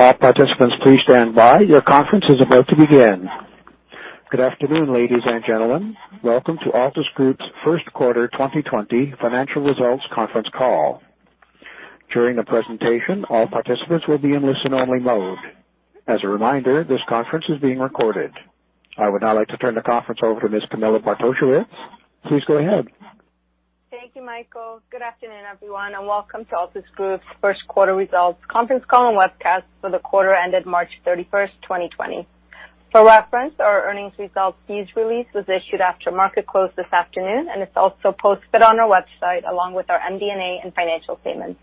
All participants, please stand by. Your conference is about to begin. Good afternoon, ladies and gentlemen. Welcome to Altus Group's First Quarter 2020 Financial Results Conference Call. During the presentation, all participants will be in listen-only mode. As a reminder, this conference is being recorded. I would now like to turn the conference over to Ms. Camilla Bartosiewicz. Please go ahead. Thank you, Michael. Good afternoon, everyone, and welcome to Altus Group's first quarter results conference call and webcast for the quarter ended March 31st, 2020. For reference, our earnings results news release was issued after market close this afternoon, and it's also posted on our website along with our MD&A and financial statements.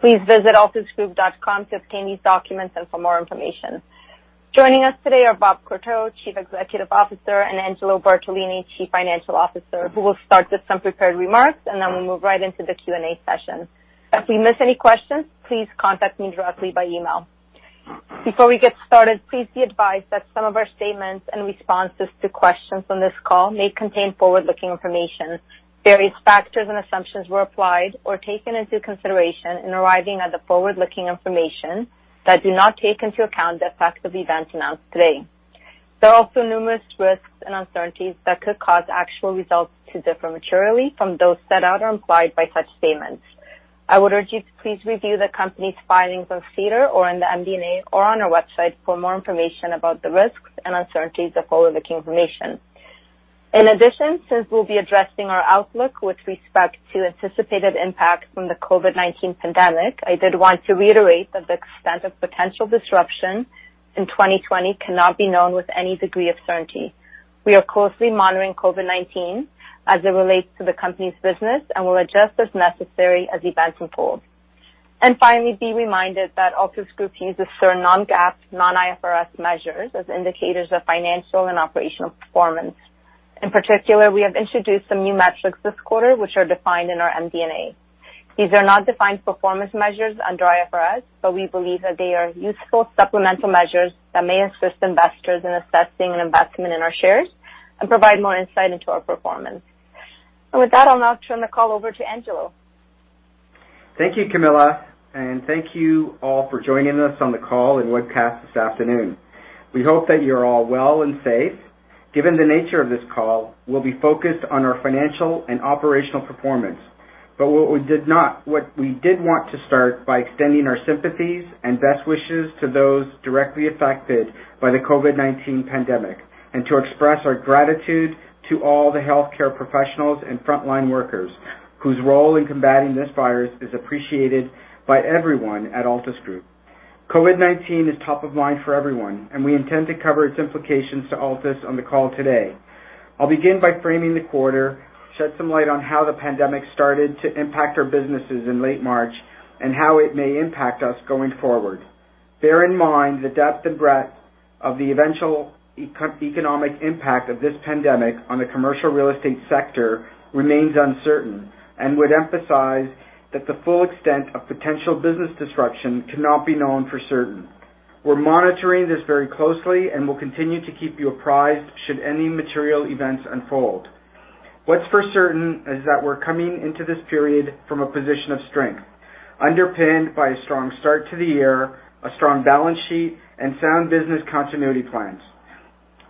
Please visit altusgroup.com to obtain these documents and for more information. Joining us today are Bob Courteau, Chief Executive Officer, and Angelo Bartolini, Chief Financial Officer, who will start with some prepared remarks, and then we'll move right into the Q&A session. If we miss any questions, please contact me directly by email. Before we get started, please be advised that some of our statements and responses to questions on this call may contain forward-looking information. Various factors and assumptions were applied or taken into consideration in arriving at the forward-looking information that do not take into account the effects of events announced today. There are also numerous risks and uncertainties that could cause actual results to differ materially from those set out or implied by such statements. I would urge you to please review the company's filings on SEDAR or on the MD&A or on our website for more information about the risks and uncertainties of forward-looking information. In addition, since we'll be addressing our outlook with respect to anticipated impact from the COVID-19 pandemic, I did want to reiterate that the extent of potential disruption in 2020 cannot be known with any degree of certainty. We are closely monitoring COVID-19 as it relates to the company's business and will adjust as necessary as events unfold. Finally, be reminded that Altus Group uses certain non-GAAP, non-IFRS measures as indicators of financial and operational performance. In particular, we have introduced some new metrics this quarter, which are defined in our MD&A. These are not defined performance measures under IFRS, but we believe that they are useful supplemental measures that may assist investors in assessing an investment in our shares and provide more insight into our performance. With that, I'll now turn the call over to Angelo. Thank you, Camilla. Thank you all for joining us on the call and webcast this afternoon. We hope that you're all well and safe. Given the nature of this call, we'll be focused on our financial and operational performance. What we did want to start by extending our sympathies and best wishes to those directly affected by the COVID-19 pandemic and to express our gratitude to all the healthcare professionals and frontline workers whose role in combating this virus is appreciated by everyone at Altus Group. COVID-19 is top of mind for everyone, and we intend to cover its implications to Altus on the call today. I'll begin by framing the quarter, shed some light on how the pandemic started to impact our businesses in late March, and how it may impact us going forward. Bear in mind the depth and breadth of the eventual economic impact of this pandemic on the commercial real estate sector remains uncertain and would emphasize that the full extent of potential business disruption cannot be known for certain. We're monitoring this very closely and will continue to keep you apprised should any material events unfold. What's for certain is that we're coming into this period from a position of strength, underpinned by a strong start to the year, a strong balance sheet, and sound business continuity plans.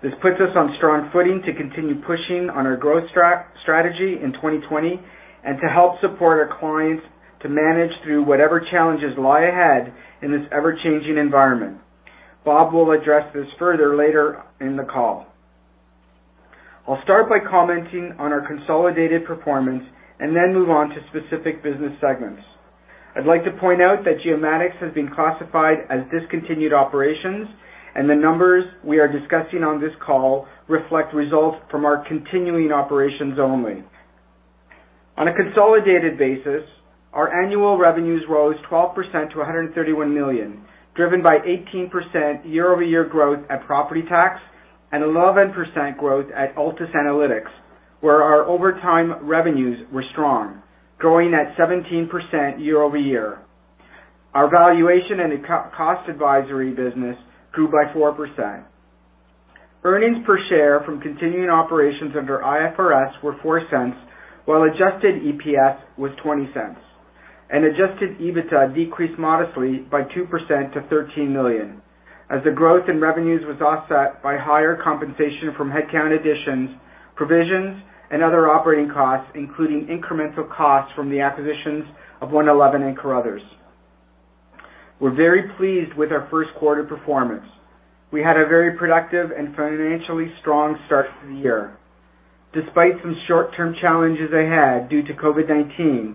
This puts us on strong footing to continue pushing on our growth strategy in 2020 and to help support our clients to manage through whatever challenges lie ahead in this ever-changing environment. Bob will address this further later in the call. I'll start by commenting on our consolidated performance and then move on to specific business segments. I'd like to point out that Geomatics has been classified as discontinued operations, and the numbers we are discussing on this call reflect results from our continuing operations only. On a consolidated basis, our annual revenues rose 12% to 131 million, driven by 18% year-over-year growth at Property Tax and 11% growth at Altus Analytics, where our over time revenues were strong, growing at 17% year-over-year. Our Valuation and Cost Advisory Business grew by 4%. Earnings per share from continuing operations under IFRS were 0.04, while adjusted EPS was 0.20. Adjusted EBITDA decreased modestly by 2% to 13 million, as the growth in revenues was offset by higher compensation from headcount additions, provisions, and other operating costs, including incremental costs from the acquisitions of One11 and Carothers. We're very pleased with our first quarter performance. We had a very productive and financially strong start to the year. Despite some short-term challenges ahead due to COVID-19,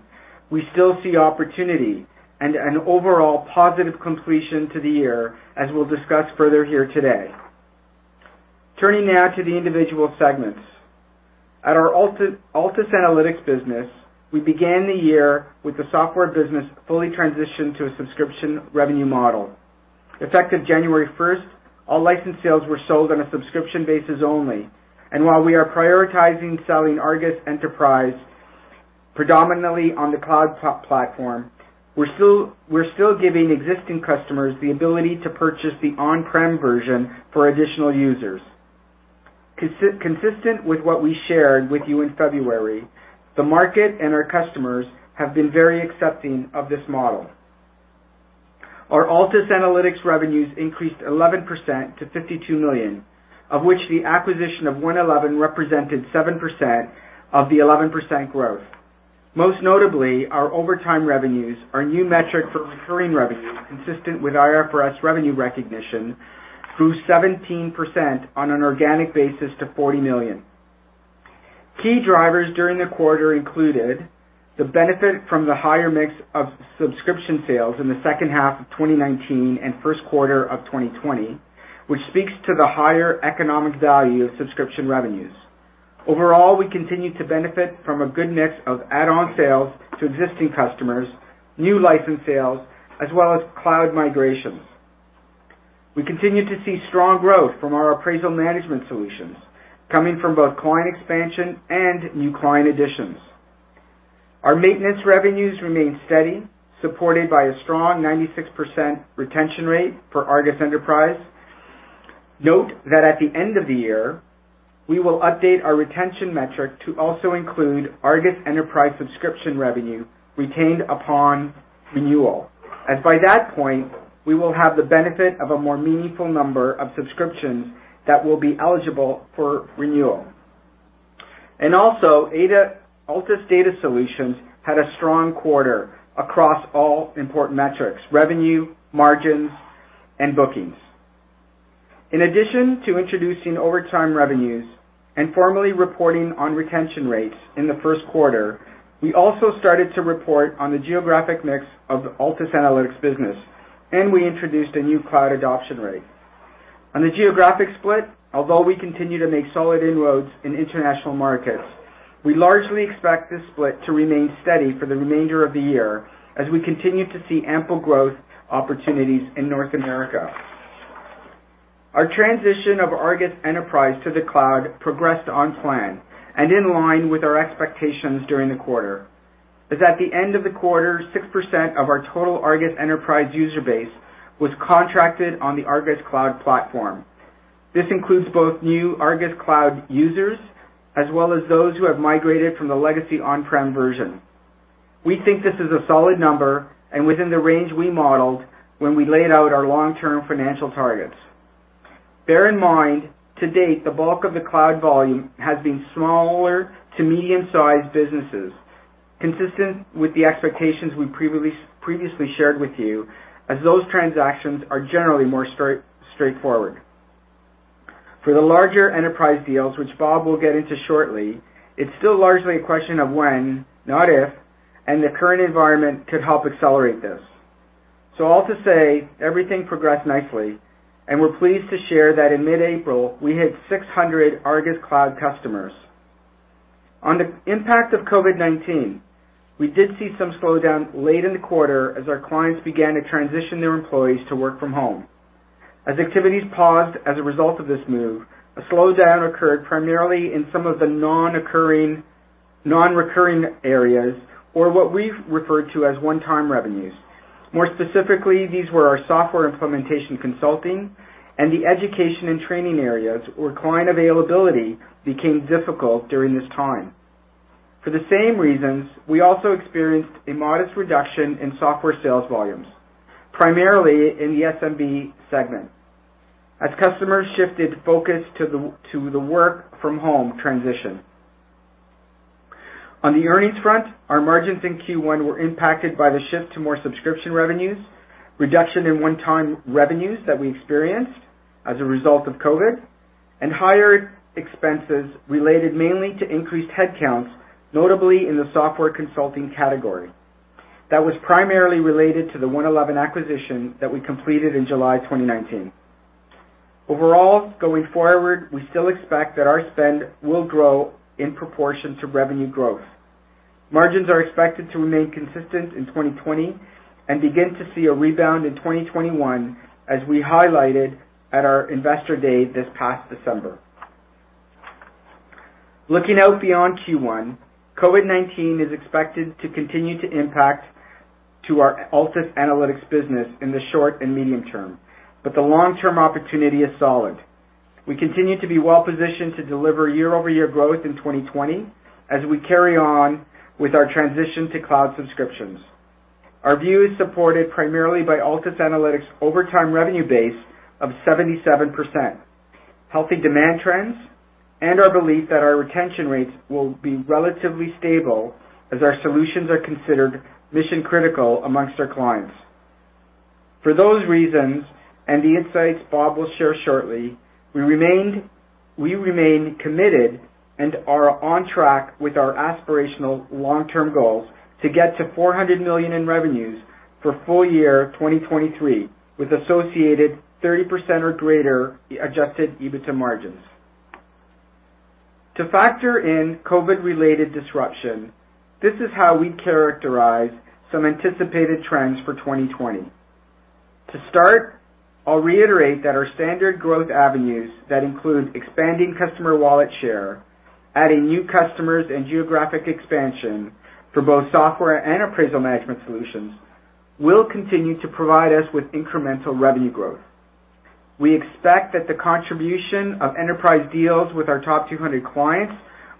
we still see opportunity and an overall positive completion to the year, as we'll discuss further here today. Turning now to the individual segments. At our Altus Analytics business, we began the year with the software business fully transitioned to a subscription revenue model. Effective January 1st, all licensed sales were sold on a subscription basis only. While we are prioritizing selling ARGUS Enterprise predominantly on the cloud platform, we're still giving existing customers the ability to purchase the on-prem version for additional users. Consistent with what we shared with you in February, the market and our customers have been very accepting of this model. Our Altus Analytics revenues increased 11% to 52 million, of which the acquisition of One11 Advisors represented 7% of the 11% growth. Most notably, our over time revenues, our new metric for recurring revenues consistent with IFRS revenue recognition, grew 17% on an organic basis to 40 million. Key drivers during the quarter included the benefit from the higher mix of subscription sales in the second half of 2019 and first quarter of 2020, which speaks to the higher economic value of subscription revenues. Overall, we continue to benefit from a good mix of add-on sales to existing customers, new license sales, as well as cloud migrations. We continue to see strong growth from our appraisal management solutions, coming from both client expansion and new client additions. Our maintenance revenues remain steady, supported by a strong 96% retention rate for ARGUS Enterprise. Note that at the end of the year, we will update our retention metric to also include ARGUS Enterprise subscription revenue retained upon renewal, as by that point, we will have the benefit of a more meaningful number of subscriptions that will be eligible for renewal. Also, Altus Data Solutions had a strong quarter across all important metrics, revenue, margins, and bookings. In addition to introducing over time revenues and formally reporting on retention rates in the first quarter, we also started to report on the geographic mix of the Altus Analytics business, and we introduced a new cloud adoption rate. On the geographic split, although we continue to make solid inroads in international markets, we largely expect this split to remain steady for the remainder of the year as we continue to see ample growth opportunities in North America. Our transition of ARGUS Enterprise to the cloud progressed on plan and in line with our expectations during the quarter. As at the end of the quarter, 6% of our total ARGUS Enterprise user base was contracted on the ARGUS Cloud platform. This includes both new ARGUS Cloud users, as well as those who have migrated from the legacy on-prem version. We think this is a solid number and within the range we modeled when we laid out our long-term financial targets. Bear in mind, to date, the bulk of the cloud volume has been smaller to medium-sized businesses, consistent with the expectations we previously shared with you, as those transactions are generally more straightforward. For the larger enterprise deals, which Bob will get into shortly, it's still largely a question of when, not if, and the current environment could help accelerate this. All to say, everything progressed nicely, and we're pleased to share that in mid-April, we hit 600 ARGUS Cloud customers. On the impact of COVID-19, we did see some slowdown late in the quarter as our clients began to transition their employees to work from home. As activities paused as a result of this move, a slowdown occurred primarily in some of the non-recurring areas or what we've referred to as one-time revenues. More specifically, these were our software implementation consulting and the education and training areas where client availability became difficult during this time. For the same reasons, we also experienced a modest reduction in software sales volumes, primarily in the SMB segment, as customers shifted focus to the work-from-home transition. On the earnings front, our margins in Q1 were impacted by the shift to more subscription revenues, reduction in one-time revenues that we experienced as a result of COVID, and higher expenses related mainly to increased headcounts, notably in the software consulting category. That was primarily related to the One11 acquisition that we completed in July 2019. Going forward, we still expect that our spend will grow in proportion to revenue growth. Margins are expected to remain consistent in 2020 and begin to see a rebound in 2021, as we highlighted at our Investor Day this past December. Looking out beyond Q1, COVID-19 is expected to continue to impact to our Altus Analytics business in the short and medium term. The long-term opportunity is solid. We continue to be well positioned to deliver year-over-year growth in 2020 as we carry on with our transition to cloud subscriptions. Our view is supported primarily by Altus Analytics' over time revenue base of 77%, healthy demand trends, and our belief that our retention rates will be relatively stable as our solutions are considered mission-critical amongst our clients. For those reasons, and the insights Bob will share shortly, we remain committed and are on track with our aspirational long-term goals to get to 400 million in revenues for full year 2023, with associated 30% or greater adjusted EBITDA margins. To factor in COVID-related disruption, this is how we characterize some anticipated trends for 2020. To start, I'll reiterate that our standard growth avenues that include expanding customer wallet share, adding new customers, and geographic expansion for both software and appraisal management solutions will continue to provide us with incremental revenue growth. We expect that the contribution of enterprise deals with our top 200 clients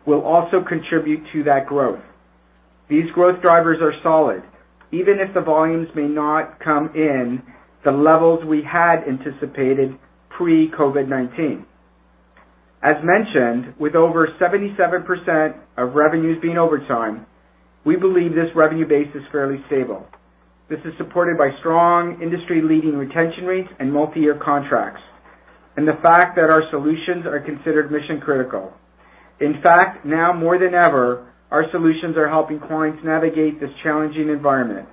will also contribute to that growth. These growth drivers are solid, even if the volumes may not come in the levels we had anticipated pre-COVID-19. As mentioned, with over 77% of revenues being overtime, we believe this revenue base is fairly stable. This is supported by strong industry-leading retention rates and multi-year contracts, and the fact that our solutions are considered mission-critical. In fact, now more than ever, our solutions are helping clients navigate this challenging environment.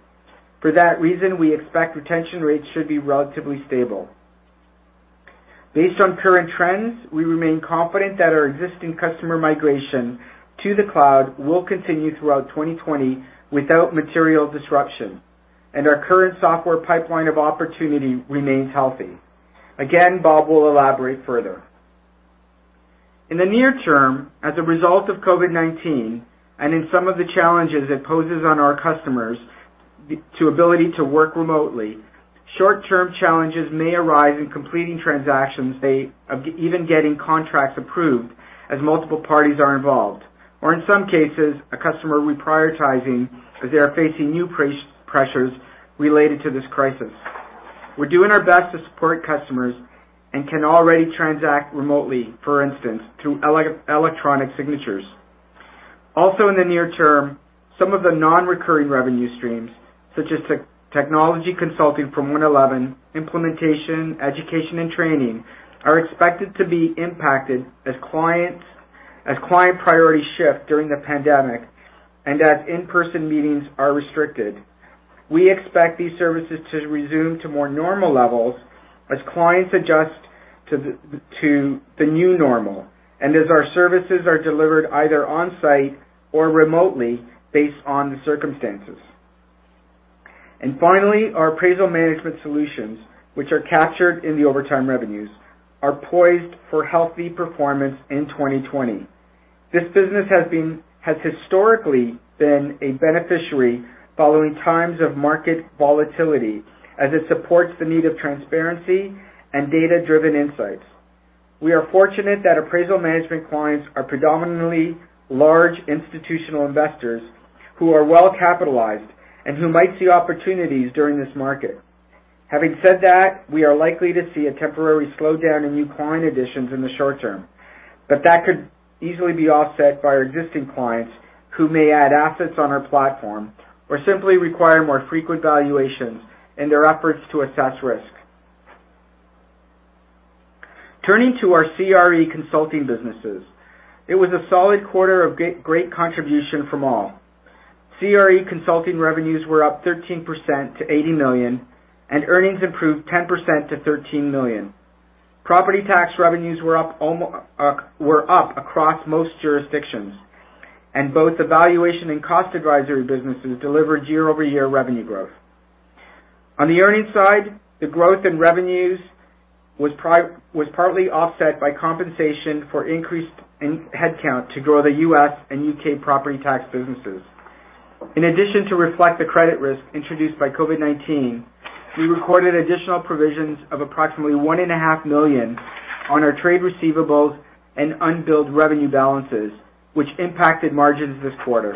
For that reason, we expect retention rates should be relatively stable. Based on current trends, we remain confident that our existing customer migration to the cloud will continue throughout 2020 without material disruption, and our current software pipeline of opportunity remains healthy. Again, Bob will elaborate further. In the near term, as a result of COVID-19, and in some of the challenges it poses on our customers to ability to work remotely, short-term challenges may arise in completing transactions, even getting contracts approved as multiple parties are involved. In some cases, a customer reprioritizing as they are facing new pressures related to this crisis. We're doing our best to support customers and can already transact remotely, for instance, through electronic signatures. In the near term, some of the non-recurring revenue streams, such as technology consulting from One11, implementation, education, and training are expected to be impacted as client priorities shift during the pandemic and as in-person meetings are restricted. We expect these services to resume to more normal levels as clients adjust to the new normal and as our services are delivered either on-site or remotely based on the circumstances. Finally, our appraisal management solutions, which are captured in the over time revenues, are poised for healthy performance in 2020. This business has historically been a beneficiary following times of market volatility as it supports the need of transparency and data-driven insights. We are fortunate that appraisal management clients are predominantly large institutional investors who are well-capitalized and who might see opportunities during this market. Having said that, we are likely to see a temporary slowdown in new client additions in the short term, but that could easily be offset by our existing clients who may add assets on our platform or simply require more frequent valuations in their efforts to assess risk. Turning to our CRE consulting businesses, it was a solid quarter of great contribution from all. CRE consulting revenues were up 13% to 80 million and earnings improved 10% to 13 million. Property tax revenues were up across most jurisdictions, and both the valuation and cost advisory businesses delivered year-over-year revenue growth. On the earnings side, the growth in revenues was partly offset by compensation for increased headcount to grow the U.S. and U.K. property tax businesses. In addition to reflect the credit risk introduced by COVID-19, we recorded additional provisions of approximately one and a half million on our trade receivables and unbilled revenue balances, which impacted margins this quarter.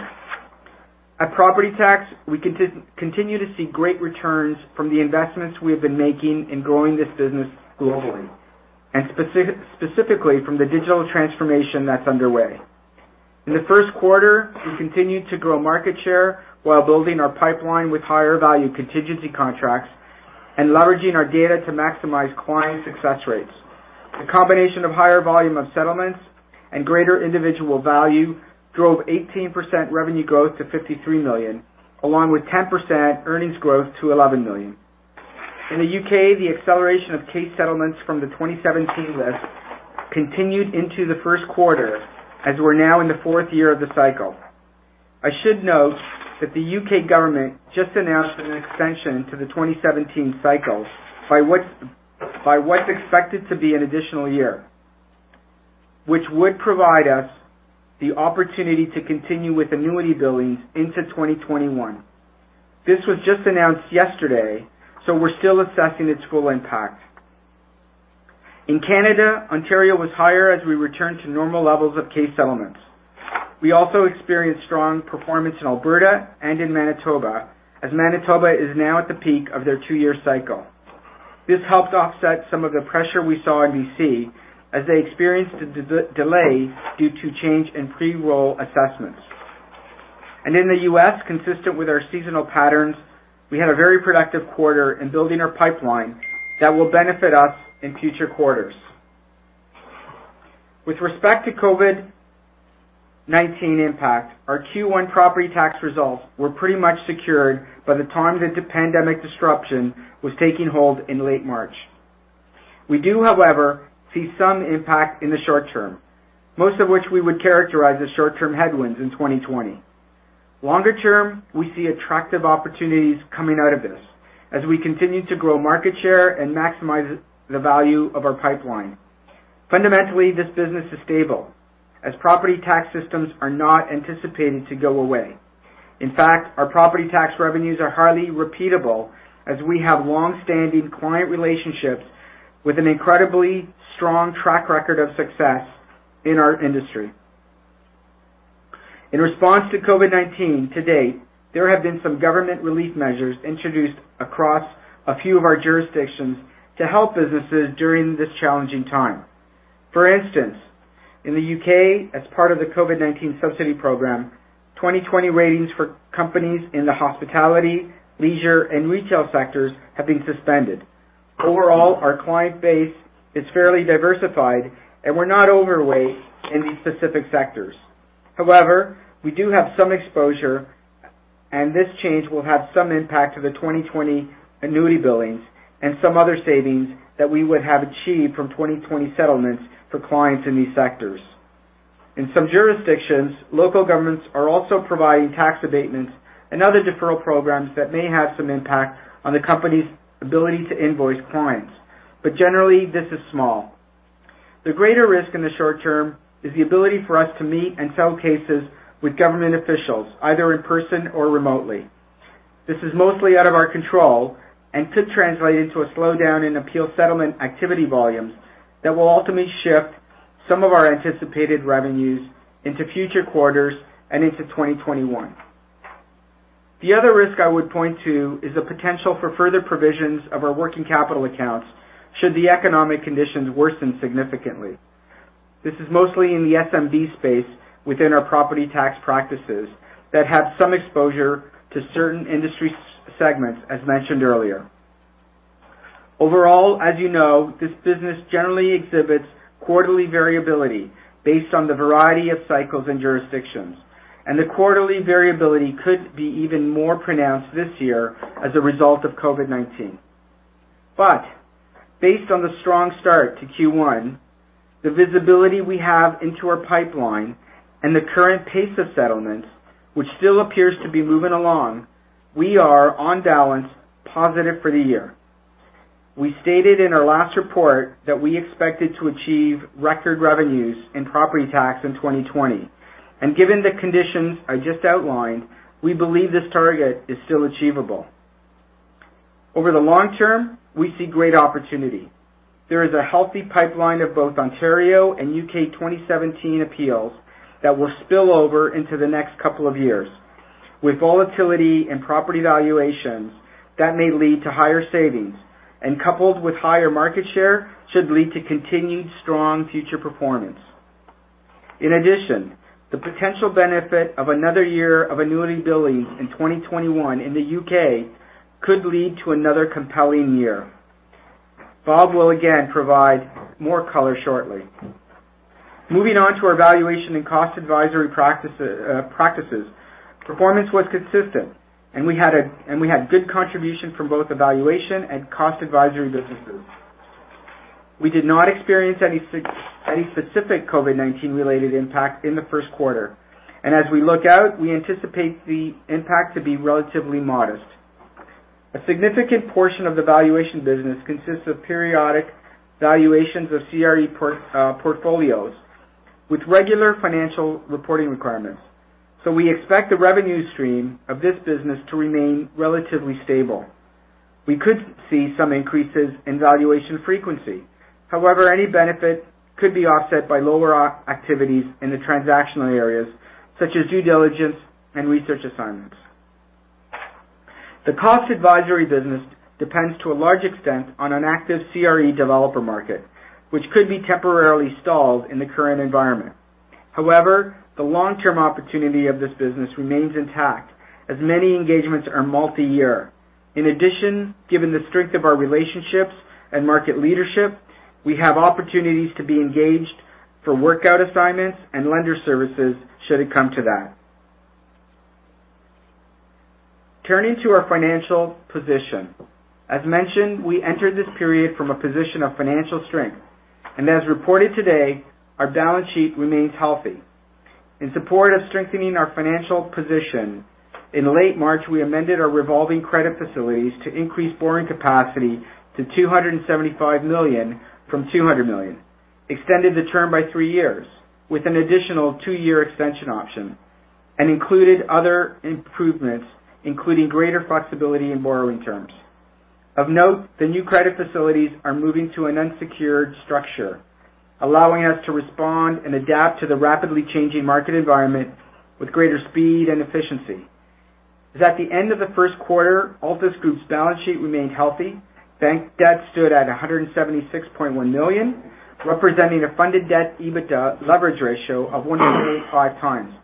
At property tax, we continue to see great returns from the investments we have been making in growing this business globally, and specifically from the digital transformation that's underway. In the first quarter, we continued to grow market share while building our pipeline with higher value contingency contracts and leveraging our data to maximize client success rates. The combination of higher volume of settlements and greater individual value drove 18% revenue growth to 53 million, along with 10% earnings growth to 11 million. In the U.K., the acceleration of case settlements from the 2017 list continued into the first quarter, as we're now in the fourth year of the cycle. I should note that the U.K. government just announced an extension to the 2017 cycle by what's expected to be an additional year, which would provide us the opportunity to continue with annuity billings into 2021. This was just announced yesterday, we're still assessing its full impact. In Canada, Ontario was higher as we returned to normal levels of case settlements. We also experienced strong performance in Alberta and in Manitoba, as Manitoba is now at the peak of their two-year cycle. This helped offset some of the pressure we saw in B.C. as they experienced a delay due to change in pre-roll assessments. In the U.S., consistent with our seasonal patterns, we had a very productive quarter in building our pipeline that will benefit us in future quarters. With respect to COVID-19 impact, our Q1 property tax results were pretty much secured by the time the pandemic disruption was taking hold in late March. We do, however, see some impact in the short term, most of which we would characterize as short-term headwinds in 2020. Longer term, we see attractive opportunities coming out of this as we continue to grow market share and maximize the value of our pipeline. Fundamentally, this business is stable as property tax systems are not anticipated to go away. In fact, our property tax revenues are highly repeatable as we have longstanding client relationships with an incredibly strong track record of success in our industry. In response to COVID-19 to date, there have been some government relief measures introduced across a few of our jurisdictions to help businesses during this challenging time. For instance, in the U.K., as part of the COVID-19 subsidy program, 2020 ratings for companies in the hospitality, leisure, and retail sectors have been suspended. Overall, our client base is fairly diversified, and we're not overweight in these specific sectors. However, we do have some exposure, and this change will have some impact to the 2020 annuity billings and some other savings that we would have achieved from 2020 settlements for clients in these sectors. In some jurisdictions, local governments are also providing tax abatements and other deferral programs that may have some impact on the company's ability to invoice clients. Generally, this is small. The greater risk in the short term is the ability for us to meet and settle cases with government officials, either in person or remotely. This is mostly out of our control and could translate into a slowdown in appeal settlement activity volumes that will ultimately shift some of our anticipated revenues into future quarters and into 2021. The other risk I would point to is the potential for further provisions of our working capital accounts should the economic conditions worsen significantly. This is mostly in the SMB space within our property tax practices that have some exposure to certain industry segments, as mentioned earlier. Overall, as you know, this business generally exhibits quarterly variability based on the variety of cycles and jurisdictions, and the quarterly variability could be even more pronounced this year as a result of COVID-19. Based on the strong start to Q1, the visibility we have into our pipeline, and the current pace of settlements, which still appears to be moving along, we are, on balance, positive for the year. We stated in our last report that we expected to achieve record revenues in property tax in 2020, and given the conditions I just outlined, we believe this target is still achievable. Over the long term, we see great opportunity. There is a healthy pipeline of both Ontario and U.K. 2017 appeals that will spill over into the next couple of years. With volatility in property valuations, that may lead to higher savings, and coupled with higher market share, should lead to continued strong future performance. The potential benefit of another year of annuity billing in 2021 in the U.K. could lead to another compelling year. Bob will again provide more color shortly. Moving on to our valuation and cost advisory practices. Performance was consistent, and we had good contribution from both valuation and cost advisory businesses. We did not experience any specific COVID-19 related impact in the first quarter. As we look out, we anticipate the impact to be relatively modest. A significant portion of the valuation business consists of periodic valuations of CRE portfolios with regular financial reporting requirements. We expect the revenue stream of this business to remain relatively stable. We could see some increases in valuation frequency. However, any benefit could be offset by lower activities in the transactional areas such as due diligence and research assignments. The cost advisory business depends to a large extent on an active CRE developer market, which could be temporarily stalled in the current environment. However, the long-term opportunity of this business remains intact as many engagements are multi-year. In addition, given the strength of our relationships and market leadership, we have opportunities to be engaged for workout assignments and lender services should it come to that. Turning to our financial position. As mentioned, we entered this period from a position of financial strength. As reported today, our balance sheet remains healthy. In support of strengthening our financial position, in late March, we amended our revolving credit facilities to increase borrowing capacity to 275 million from 200 million. Extended the term by three years with an additional two-year extension option, and included other improvements, including greater flexibility in borrowing terms. Of note, the new credit facilities are moving to an unsecured structure, allowing us to respond and adapt to the rapidly changing market environment with greater speed and efficiency. At the end of the first quarter, Altus Group's balance sheet remained healthy. Bank debt stood at 176.1 million, representing a funded debt EBITDA leverage ratio of 1.85x.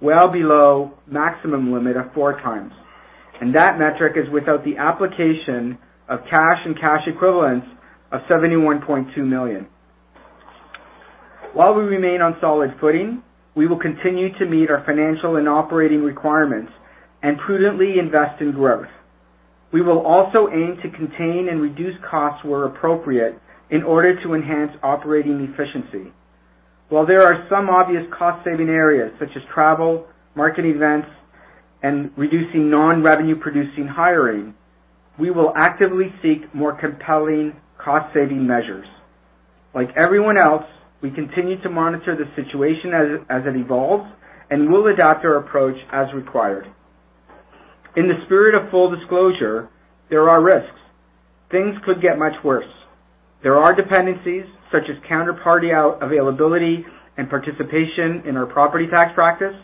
Well below maximum limit of 4x. That metric is without the application of cash and cash equivalents of 71.2 million. While we remain on solid footing, we will continue to meet our financial and operating requirements and prudently invest in growth. We will also aim to contain and reduce costs where appropriate in order to enhance operating efficiency. While there are some obvious cost-saving areas such as travel, market events, and reducing non-revenue producing hiring, we will actively seek more compelling cost-saving measures. Like everyone else, we continue to monitor the situation as it evolves and will adapt our approach as required. In the spirit of full disclosure, there are risks. Things could get much worse. There are dependencies such as counterparty availability and participation in our property tax practice,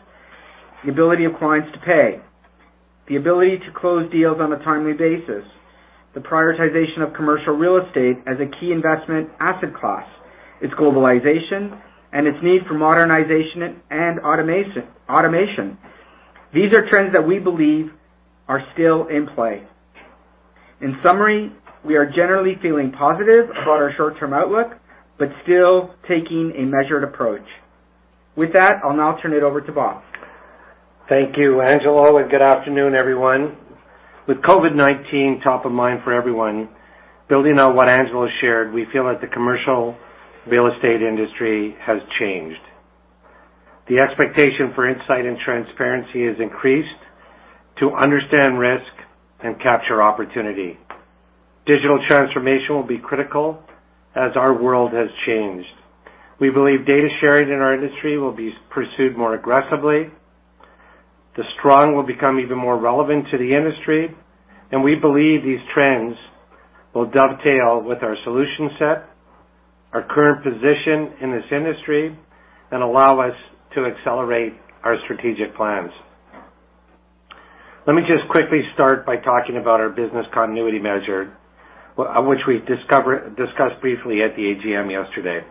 the ability of clients to pay, the ability to close deals on a timely basis, the prioritization of commercial real estate as a key investment asset class, its globalization, and its need for modernization and automation. These are trends that we believe are still in play. In summary, we are generally feeling positive about our short-term outlook, but still taking a measured approach. With that, I'll now turn it over to Bob. Thank you, Angelo. Good afternoon, everyone. With COVID-19 top of mind for everyone, building on what Angelo shared, we feel that the commercial real estate industry has changed. The expectation for insight and transparency has increased to understand risk and capture opportunity. Digital transformation will be critical as our world has changed. We believe data sharing in our industry will be pursued more aggressively. The strong will become even more relevant to the industry, and we believe these trends will dovetail with our solution set, our current position in this industry, and allow us to accelerate our strategic plans. Let me just quickly start by talking about our business continuity measure, which we discussed briefly at the AGM yesterday.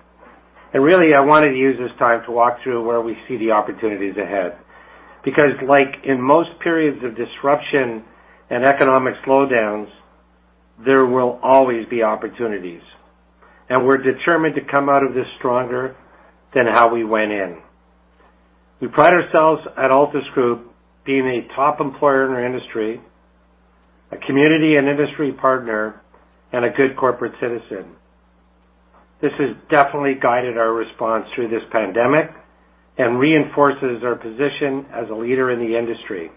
Really, I wanted to use this time to walk through where we see the opportunities ahead. Like in most periods of disruption and economic slowdowns, there will always be opportunities. We're determined to come out of this stronger than how we went in. We pride ourselves at Altus Group being a top employer in our industry, a community and industry partner, and a good corporate citizen. This has definitely guided our response through this pandemic and reinforces our position as a leader in the industry.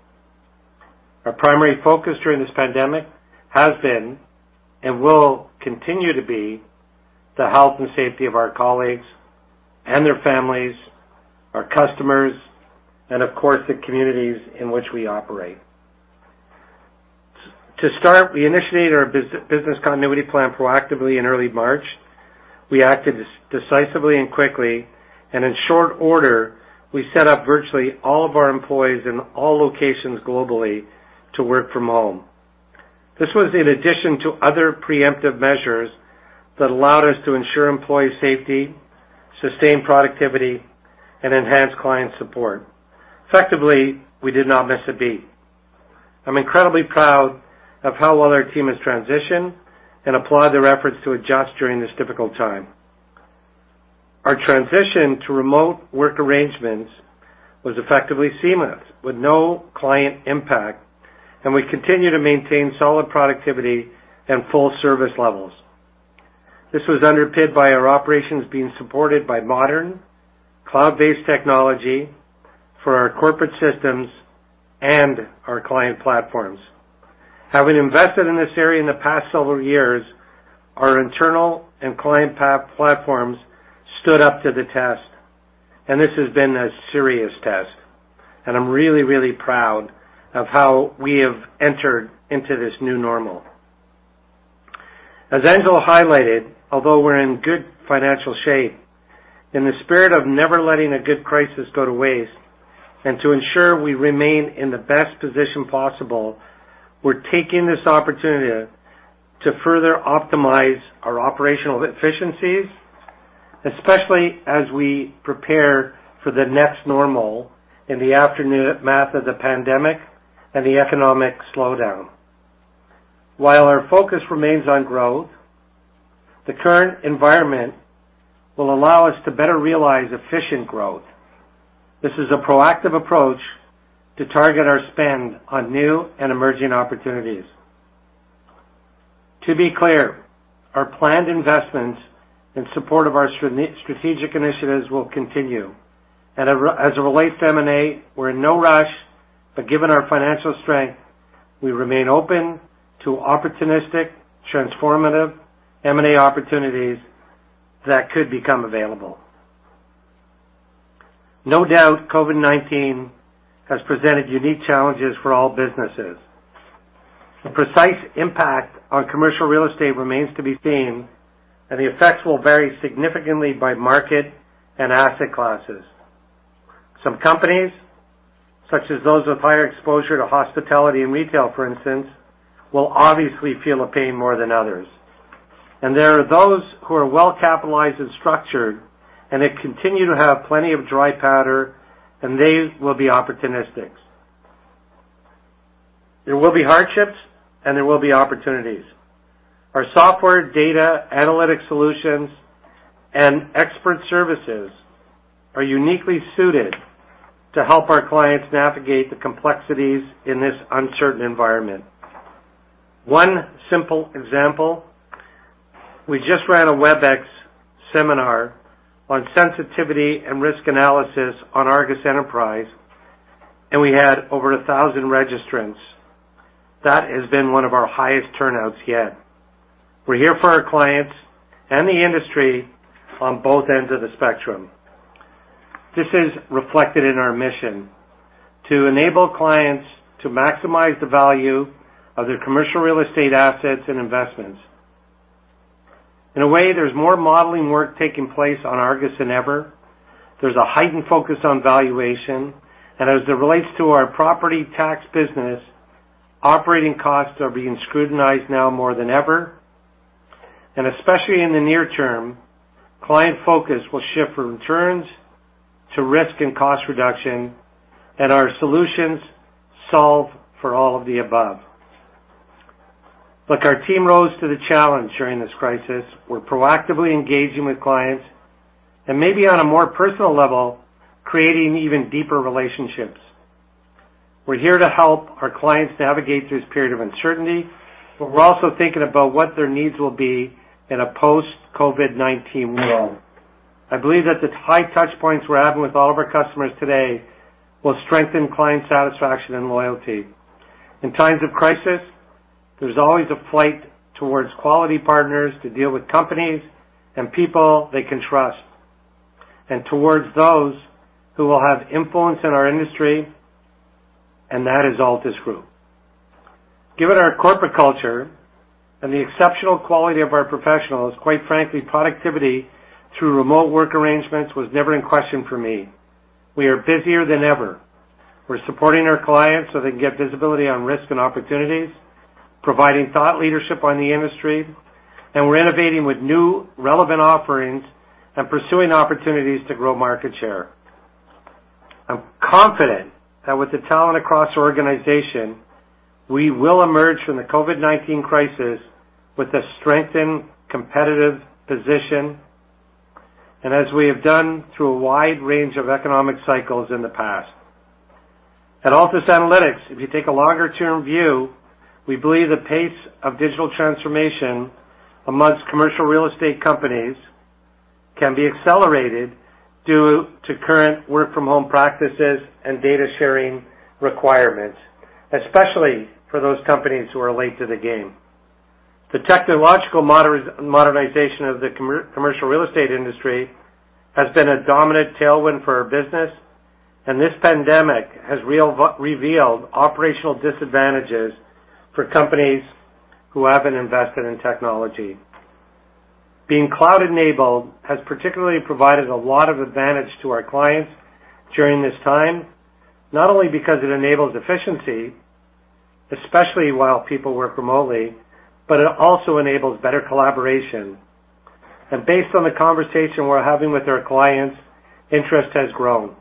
Our primary focus during this pandemic has been and will continue to be the health and safety of our colleagues and their families, our customers, and of course, the communities in which we operate. To start, we initiated our business continuity plan proactively in early March. We acted decisively and quickly, and in short order, we set up virtually all of our employees in all locations globally to work from home. This was in addition to other preemptive measures that allowed us to ensure employee safety, sustain productivity, and enhance client support. Effectively, we did not miss a beat. I'm incredibly proud of how well our team has transitioned and applaud their efforts to adjust during this difficult time. Our transition to remote work arrangements was effectively seamless with no client impact, and we continue to maintain solid productivity and full service levels. This was underpinned by our operations being supported by modern, cloud-based technology for our corporate systems and our client platforms. Having invested in this area in the past several years, our internal and client platforms stood up to the test, and this has been a serious test, and I'm really proud of how we have entered into this new normal. As Angelo highlighted, although we're in good financial shape, in the spirit of never letting a good crisis go to waste and to ensure we remain in the best position possible, we're taking this opportunity to further optimize our operational efficiencies, especially as we prepare for the next normal in the aftermath of the pandemic and the economic slowdown. While our focus remains on growth, the current environment will allow us to better realize efficient growth. This is a proactive approach to target our spend on new and emerging opportunities. To be clear, our planned investments in support of our strategic initiatives will continue. As it relates to M&A, we're in no rush, but given our financial strength, we remain open to opportunistic, transformative M&A opportunities that could become available. No doubt, COVID-19 has presented unique challenges for all businesses. The precise impact on commercial real estate remains to be seen, and the effects will vary significantly by market and asset classes. Some companies, such as those with higher exposure to hospitality and retail, for instance, will obviously feel the pain more than others. There are those who are well capitalized and structured, they continue to have plenty of dry powder, and they will be opportunists. There will be hardships and there will be opportunities. Our software data analytics solutions and expert services are uniquely suited to help our clients navigate the complexities in this uncertain environment. One simple example, we just ran a Webex seminar on sensitivity and risk analysis on ARGUS Enterprise, and we had over 1,000 registrants. That has been one of our highest turnouts yet. We're here for our clients and the industry on both ends of the spectrum. This is reflected in our mission to enable clients to maximize the value of their commercial real estate assets and investments. In a way, there's more modeling work taking place on ARGUS than ever. There's a heightened focus on valuation, and as it relates to our property tax business, operating costs are being scrutinized now more than ever. Especially in the near term, client focus will shift from returns to risk and cost reduction, and our solutions solve for all of the above. Look, our team rose to the challenge during this crisis. We're proactively engaging with clients, and maybe on a more personal level, creating even deeper relationships. We're here to help our clients navigate through this period of uncertainty, but we're also thinking about what their needs will be in a post-COVID-19 world. I believe that the tight touchpoints we're having with all of our customers today will strengthen client satisfaction and loyalty. In times of crisis, there's always a flight towards quality partners to deal with companies and people they can trust, and towards those who will have influence in our industry, and that is Altus Group. Given our corporate culture and the exceptional quality of our professionals, quite frankly, productivity through remote work arrangements was never in question for me. We are busier than ever. We're supporting our clients so they can get visibility on risk and opportunities, providing thought leadership on the industry, and we're innovating with new relevant offerings and pursuing opportunities to grow market share. I'm confident that with the talent across the organization, we will emerge from the COVID-19 crisis with a strengthened competitive position, as we have done through a wide range of economic cycles in the past. At Altus Analytics, if you take a longer-term view, we believe the pace of digital transformation amongst commercial real estate companies can be accelerated due to current work-from-home practices and data-sharing requirements, especially for those companies who are late to the game. The technological modernization of the commercial real estate industry has been a dominant tailwind for our business. This pandemic has revealed operational disadvantages for companies who haven't invested in technology. Being cloud-enabled has particularly provided a lot of advantage to our clients during this time, not only because it enables efficiency, especially while people work remotely, but it also enables better collaboration. Based on the conversation we're having with our clients, interest has grown.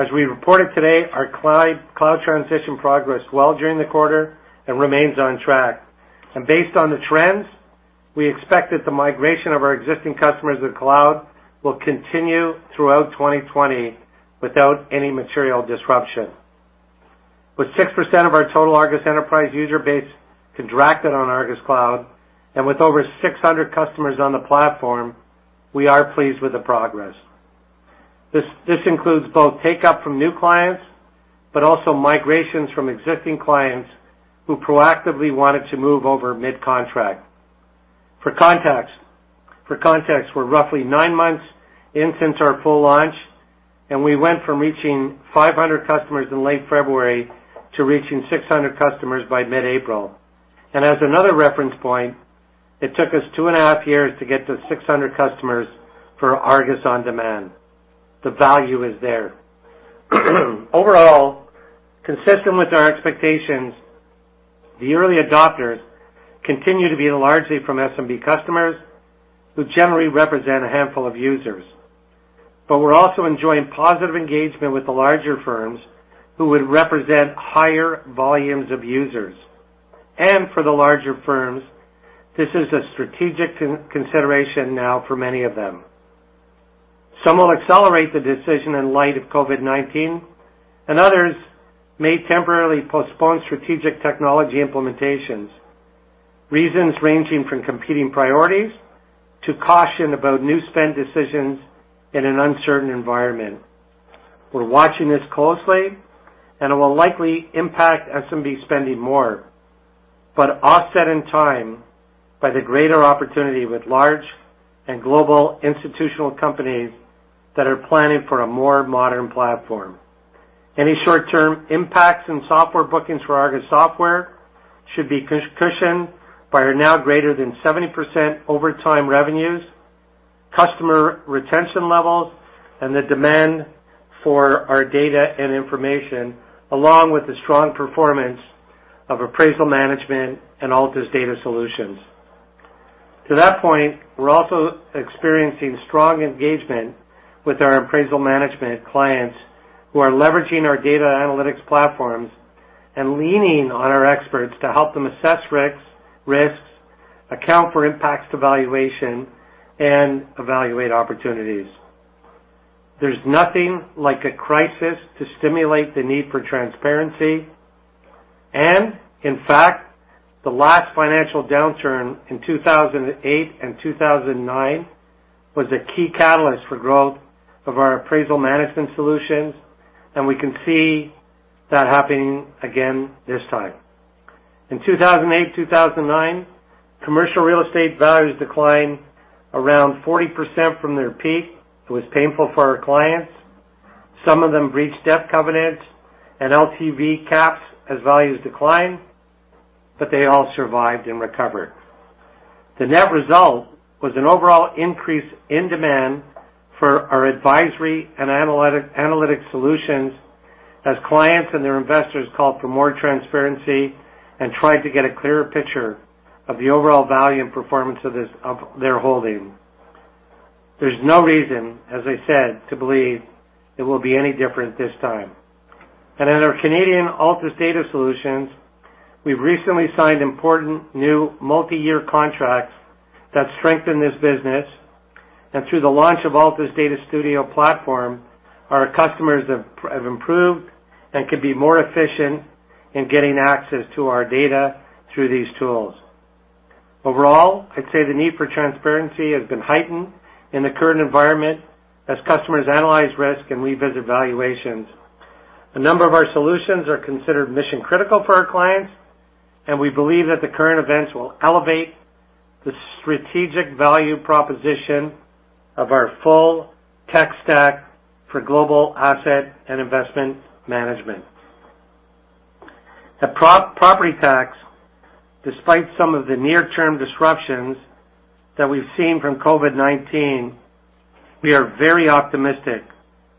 As we reported today, our cloud transition progressed well during the quarter and remains on track. Based on the trends, we expect that the migration of our existing customers to the cloud will continue throughout 2020 without any material disruption. With 6% of our total ARGUS Enterprise user base contracted on ARGUS Cloud and with over 600 customers on the platform, we are pleased with the progress. This includes both take-up from new clients, but also migrations from existing clients who proactively wanted to move over mid-contract. For context, we're roughly nine months in since our full launch, and we went from reaching 500 customers in late February to reaching 600 customers by mid-April. As another reference point, it took us two and a half years to get to 600 customers for ARGUS On Demand. The value is there. Overall, consistent with our expectations, the early adopters continue to be largely from SMB customers who generally represent a handful of users. We're also enjoying positive engagement with the larger firms who would represent higher volumes of users. For the larger firms, this is a strategic consideration now for many of them. Some will accelerate the decision in light of COVID-19, and others may temporarily postpone strategic technology implementations. Reasons ranging from competing priorities to caution about new spend decisions in an uncertain environment. We're watching this closely, and it will likely impact SMB spending more, but offset in time by the greater opportunity with large and global institutional companies that are planning for a more modern platform. Any short-term impacts in software bookings for ARGUS software should be cushioned by our now greater than 70% over time revenues customer retention levels and the demand for our data and information, along with the strong performance of appraisal management and Altus Data Solutions. To that point, we're also experiencing strong engagement with our appraisal management clients who are leveraging our data analytics platforms and leaning on our experts to help them assess risks, account for impacts to valuation, and evaluate opportunities. There's nothing like a crisis to stimulate the need for transparency. In fact, the last financial downturn in 2008 and 2009 was a key catalyst for growth of our appraisal management solutions, and we can see that happening again this time. In 2008-2009, commercial real estate values declined around 40% from their peak. It was painful for our clients. Some of them reached debt covenants and LTV caps as values declined, but they all survived and recovered. The net result was an overall increase in demand for our advisory and analytic solutions as clients and their investors called for more transparency and tried to get a clearer picture of the overall value and performance of their holding. There's no reason, as I said, to believe it will be any different this time. In our Canadian Altus Data Solutions, we've recently signed important new multi-year contracts that strengthen this business. Through the launch of Altus Data Studio platform, our customers have improved and can be more efficient in getting access to our data through these tools. Overall, I'd say the need for transparency has been heightened in the current environment as customers analyze risk and revisit valuations. A number of our solutions are considered mission-critical for our clients. We believe that the current events will elevate the strategic value proposition of our full tech stack for global asset and investment management. The property tax, despite some of the near-term disruptions that we've seen from COVID-19, we are very optimistic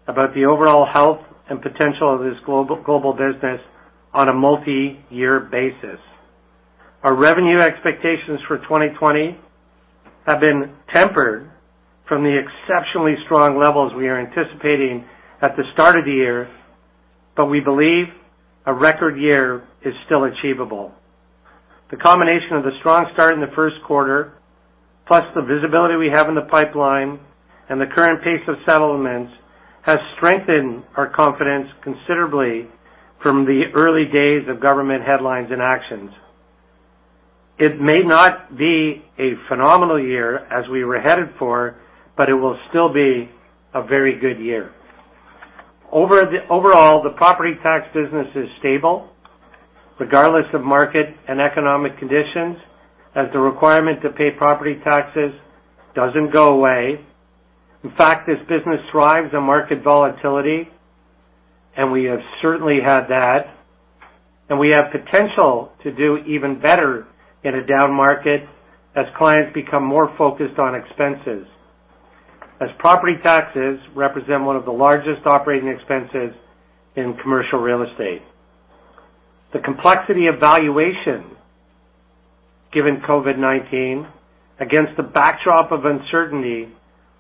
about the overall health and potential of this global business on a multi-year basis. Our revenue expectations for 2020 have been tempered from the exceptionally strong levels we are anticipating at the start of the year. We believe a record year is still achievable. The combination of the strong start in the first quarter, plus the visibility we have in the pipeline and the current pace of settlements, has strengthened our confidence considerably from the early days of government headlines and actions. It may not be a phenomenal year as we were headed for, but it will still be a very good year. Overall, the property tax business is stable regardless of market and economic conditions as the requirement to pay property taxes doesn't go away. In fact, this business thrives on market volatility, and we have certainly had that. We have potential to do even better in a down market as clients become more focused on expenses, as property taxes represent one of the largest operating expenses in commercial real estate. The complexity of valuation, given COVID-19 against the backdrop of uncertainty,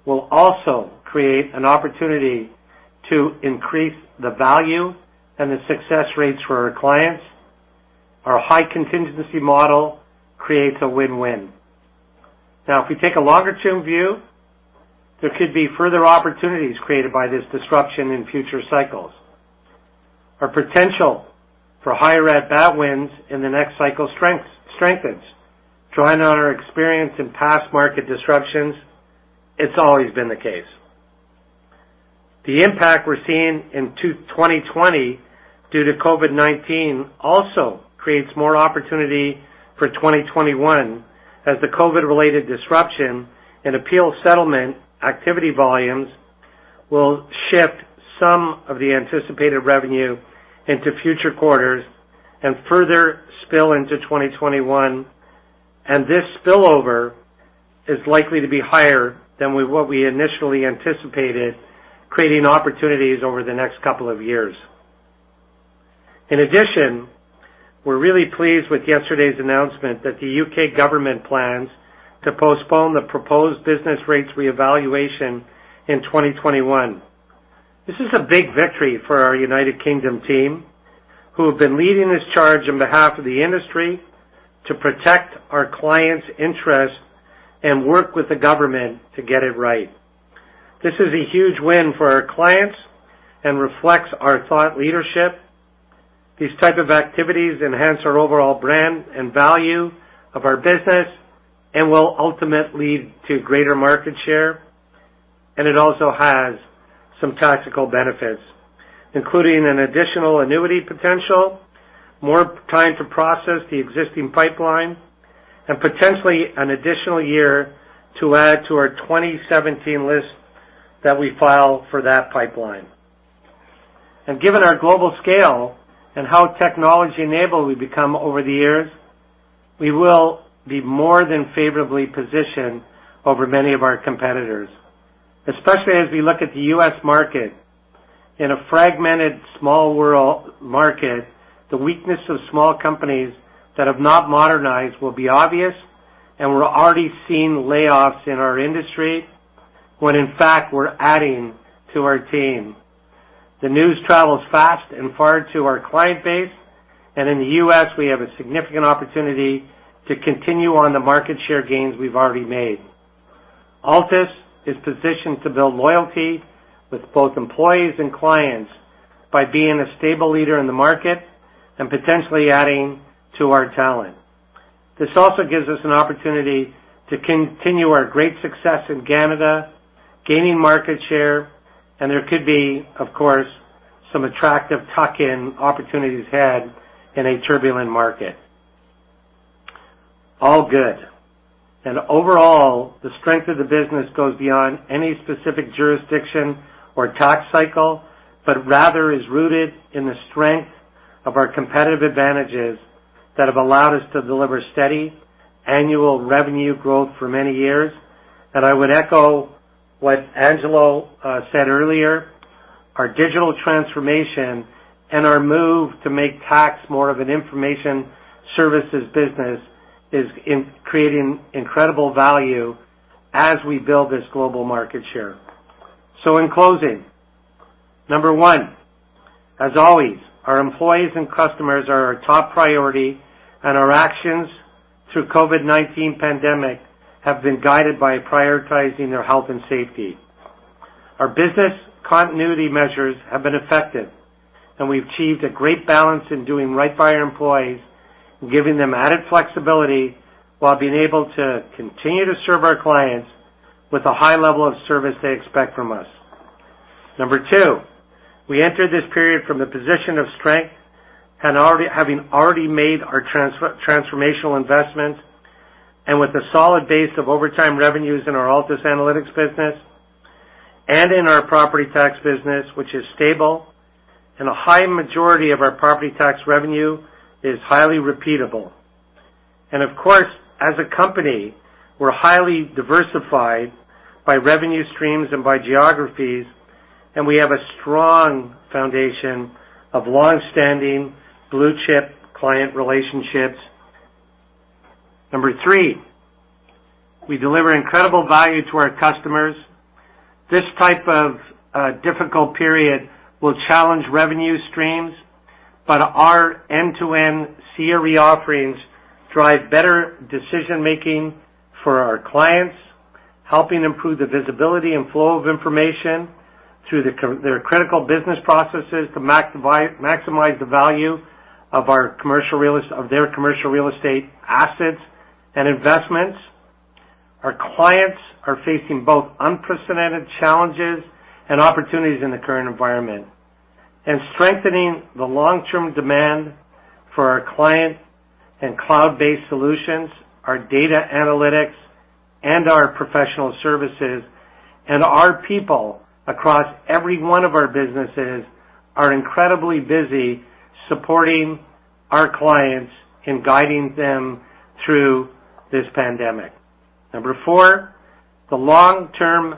will also create an opportunity to increase the value and the success rates for our clients. Our high contingency model creates a win-win. Now, if we take a longer-term view, there could be further opportunities created by this disruption in future cycles. Our potential for higher at-bat wins in the next cycle strengthens. Drawing on our experience in past market disruptions, it's always been the case. The impact we're seeing in 2020 due to COVID-19 also creates more opportunity for 2021 as the COVID-related disruption and appeal settlement activity volumes will shift some of the anticipated revenue into future quarters and further spill into 2021. This spillover is likely to be higher than what we initially anticipated, creating opportunities over the next couple of years. In addition, we're really pleased with yesterday's announcement that the U.K. government plans to postpone the proposed business rates reevaluation in 2021. This is a big victory for our United Kingdom team, who have been leading this charge on behalf of the industry to protect our clients' interests and work with the government to get it right. This is a huge win for our clients and reflects our thought leadership. These type of activities enhance our overall brand and value of our business and will ultimately lead to greater market share. It also has some tactical benefits, including an additional annuity potential, more time to process the existing pipeline, and potentially an additional year to add to our 2017 list that we file for that pipeline. Given our global scale and how technology-enabled we've become over the years, we will be more than favorably positioned over many of our competitors. Especially as we look at the U.S. market. In a fragmented small market, the weakness of small companies that have not modernized will be obvious, and we're already seeing layoffs in our industry, when in fact, we're adding to our team. The news travels fast and far to our client base. In the U.S., we have a significant opportunity to continue on the market share gains we've already made. Altus is positioned to build loyalty with both employees and clients by being a stable leader in the market and potentially adding to our talent. This also gives us an opportunity to continue our great success in Canada, gaining market share. There could be, of course, some attractive tuck-in opportunities had in a turbulent market. All good. Overall, the strength of the business goes beyond any specific jurisdiction or tax cycle, but rather is rooted in the strength of our competitive advantages that have allowed us to deliver steady annual revenue growth for many years. I would echo what Angelo said earlier. Our digital transformation and our move to make tax more of an information services business is creating incredible value as we build this global market share. In closing, number one, as always, our employees and customers are our top priority, and our actions through COVID-19 pandemic have been guided by prioritizing their health and safety. Our business continuity measures have been effective, and we've achieved a great balance in doing right by our employees and giving them added flexibility while being able to continue to serve our clients with a high level of service they expect from us. Number two, we enter this period from the position of strength and having already made our transformational investment, and with a solid base of over time revenues in our Altus Analytics business and in our property tax business, which is stable, and a high majority of our property tax revenue is highly repeatable. Of course, as a company, we're highly diversified by revenue streams and by geographies, and we have a strong foundation of longstanding blue-chip client relationships. Number three, we deliver incredible value to our customers. This type of difficult period will challenge revenue streams, but our end-to-end CRE offerings drive better decision-making for our clients, helping improve the visibility and flow of information through their critical business processes to maximize the value of their commercial real estate assets and investments. Our clients are facing both unprecedented challenges and opportunities in the current environment, and strengthening the long-term demand for our clients and cloud-based solutions, our data analytics and our professional services, and our people across every one of our businesses are incredibly busy supporting our clients in guiding them through this pandemic. Number four, the long-term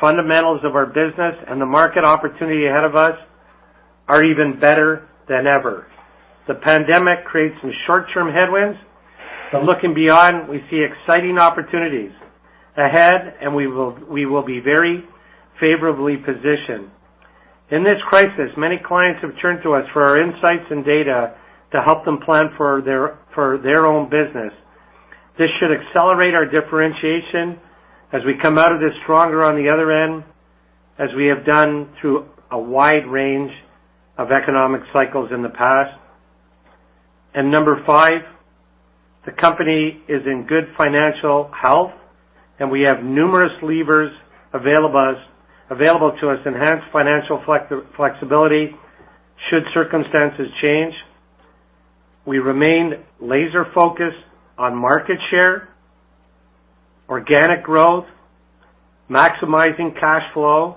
fundamentals of our business and the market opportunity ahead of us are even better than ever. The pandemic creates some short-term headwinds, but looking beyond, we see exciting opportunities ahead, and we will be very favorably positioned. In this crisis, many clients have turned to us for our insights and data to help them plan for their own business. This should accelerate our differentiation as we come out of this stronger on the other end, as we have done through a wide range of economic cycles in the past. Number five, the company is in good financial health, and we have numerous levers available to us, enhanced financial flexibility should circumstances change. We remain laser-focused on market share, organic growth, maximizing cash flow,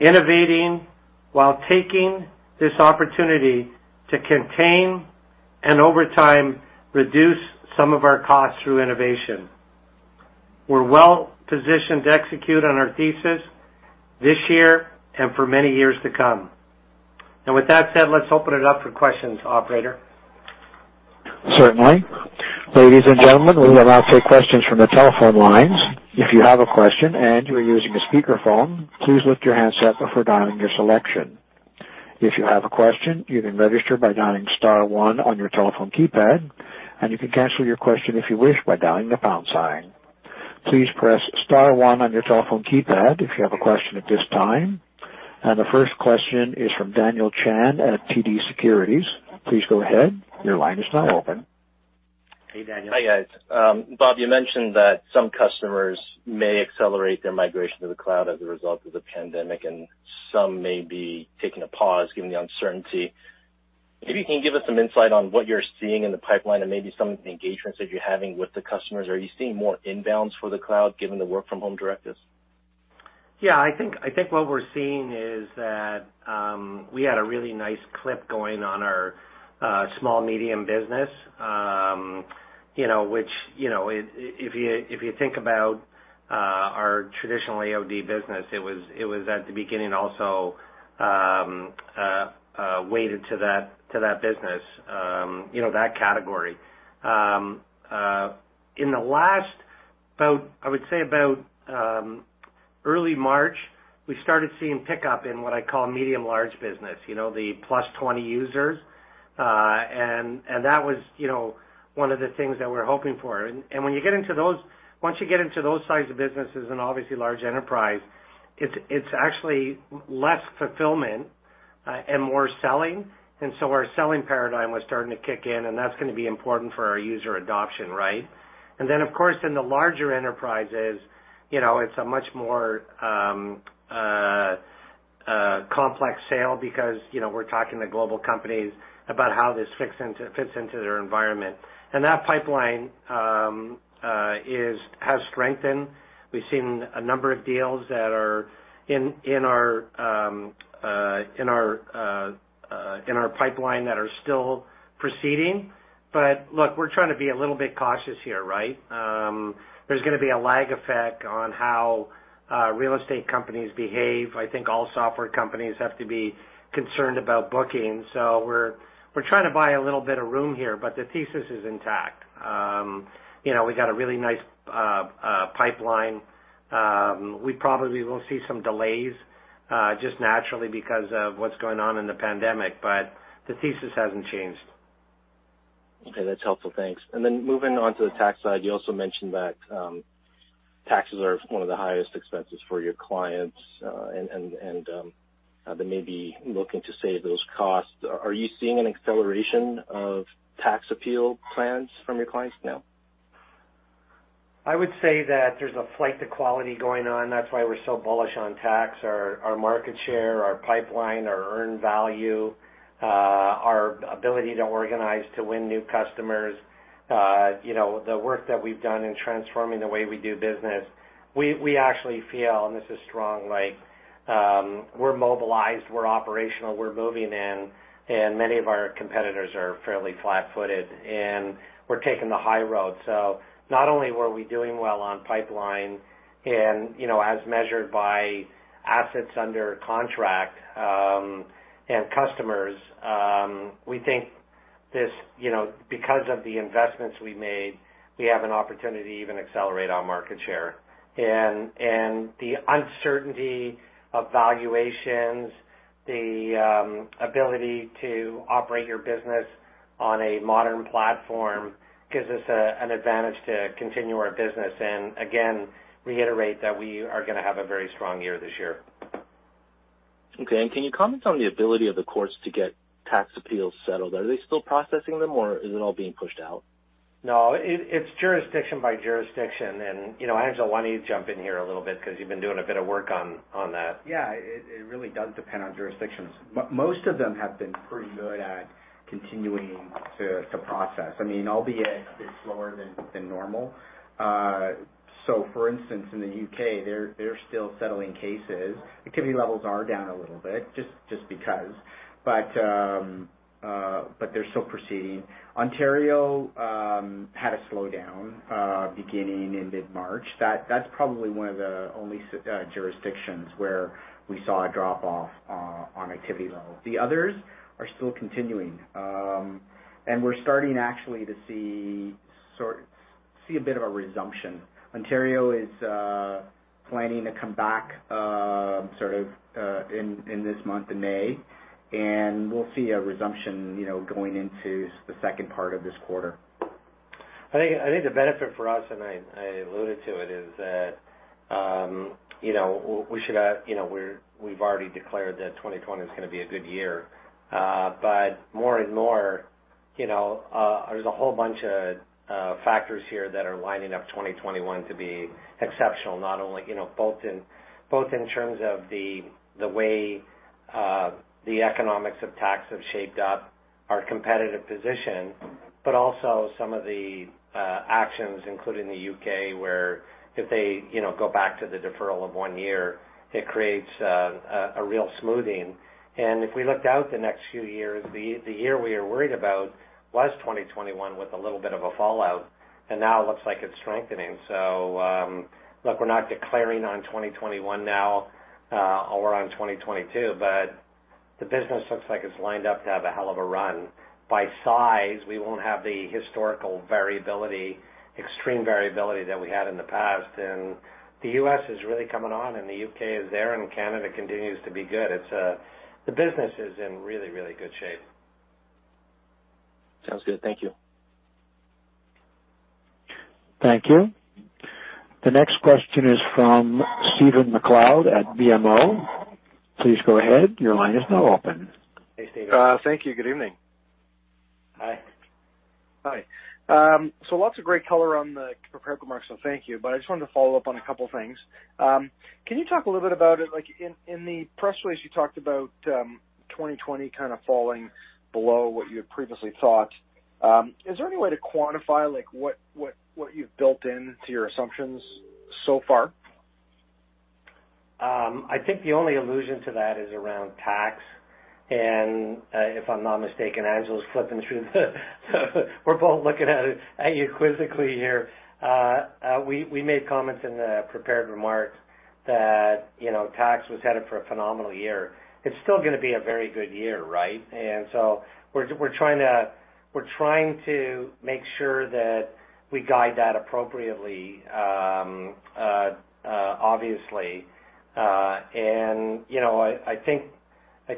innovating while taking this opportunity to contain and over time, reduce some of our costs through innovation. We're well-positioned to execute on our thesis this year and for many years to come. With that said, let's open it up for questions, operator. Certainly. Ladies and gentlemen, we will now take questions from the telephone lines. If you have a question and you are using a speakerphone, please lift your handset before dialing your selection. If you have a question, you can register by dialing star one on your telephone keypad, and you can cancel your question if you wish by dialing the pound sign. Please press star one on your telephone keypad if you have a question at this time. The first question is from Daniel Chan at TD Securities. Please go ahead. Your line is now open. Hey, Daniel. Hi, guys. Bob, you mentioned that some customers may accelerate their migration to the cloud as a result of the pandemic, and some may be taking a pause given the uncertainty. If you can give us some insight on what you're seeing in the pipeline and maybe some engagements that you're having with the customers. Are you seeing more inbounds for the cloud, given the work from home directives? Yeah, I think what we're seeing is that we had a really nice clip going on our small, medium business. Which, if you think about our traditional AOD business, it was at the beginning also weighted to that business, that category. In the last, I would say about early March, we started seeing pickup in what I call medium, large business, the +20 users. That was one of the things that we were hoping for. Once you get into those size of businesses and obviously large enterprise, it's actually less fulfillment and more selling. Our selling paradigm was starting to kick in, and that's going to be important for our user adoption, right? Of course, in the larger enterprises, it's a much more complex sale because we're talking to global companies about how this fits into their environment. That pipeline has strengthened. We've seen a number of deals that are in our pipeline that are still proceeding. Look, we're trying to be a little bit cautious here, right? There's going to be a lag effect on how real estate companies behave. I think all software companies have to be concerned about bookings. We're trying to buy a little bit of room here, but the thesis is intact. We got a really nice pipeline. We probably will see some delays, just naturally because of what's going on in the pandemic, but the thesis hasn't changed. Okay. That's helpful. Thanks. Moving on to the tax side, you also mentioned that taxes are one of the highest expenses for your clients, and they may be looking to save those costs. Are you seeing an acceleration of tax appeal plans from your clients now? I would say that there's a flight to quality going on. That's why we're so bullish on tax, our market share, our pipeline, our earned value, our ability to organize to win new customers. The work that we've done in transforming the way we do business. We actually feel, and this is strong, we're mobilized, we're operational, we're moving in. Many of our competitors are fairly flat-footed. We're taking the high road. Not only were we doing well on pipeline and as measured by assets under contract, and customers, we think because of the investments we made, we have an opportunity to even accelerate our market share. The uncertainty of valuations, the ability to operate your business on a modern platform gives us an advantage to continue our business, and again, reiterate that we are going to have a very strong year this year. Okay. Can you comment on the ability of the courts to get tax appeals settled? Are they still processing them, or is it all being pushed out? No, it's jurisdiction by jurisdiction. Angelo, why don't you jump in here a little bit? Because you've been doing a bit of work on that. Yeah. It really does depend on jurisdictions. Most of them have been pretty good at continuing to process. Albeit a bit slower than normal. For instance, in the U.K., they're still settling cases. Activity levels are down a little bit. They're still proceeding. Ontario had a slowdown beginning in mid-March. That's probably one of the only jurisdictions where we saw a drop-off on activity levels. The others are still continuing. We're starting actually to see a bit of a resumption. Ontario is planning to come back sort of in this month, in May, and we'll see a resumption going into the second part of this quarter. I think the benefit for us, and I alluded to it, is that we've already declared that 2020 is going to be a good year. More and more, there's a whole bunch of factors here that are lining up 2021 to be exceptional, both in terms of the way the economics of tax have shaped up our competitive position, but also some of the actions, including the U.K., where if they go back to the deferral of one year, it creates a real smoothing. If we looked out the next few years, the year we are worried about was 2021 with a little bit of a fallout, and now it looks like it's strengthening. Look, we're not declaring on 2021 now, or on 2022, but the business looks like it's lined up to have a hell of a run. By size, we won't have the historical variability, extreme variability that we had in the past. The U.S. is really coming on, and the U.K. is there, and Canada continues to be good. The business is in really, really good shape. Sounds good. Thank you. Thank you. The next question is from Stephen MacLeod at BMO. Please go ahead. Your line is now open. Hey, Stephen. Thank you. Good evening. Hi. Hi. Lots of great color on the prepared remarks, so thank you. I just wanted to follow up on a couple things. Can you talk a little bit about it? In the press release, you talked about 2020 kind of falling below what you had previously thought. Is there any way to quantify what you've built into your assumptions so far? I think the only allusion to that is around tax. If I'm not mistaken, Angelo's flipping through the We're both looking at you quizzically here. We made comments in the prepared remarks that tax was headed for a phenomenal year. It's still going to be a very good year, right? We're trying to make sure that we guide that appropriately, obviously. I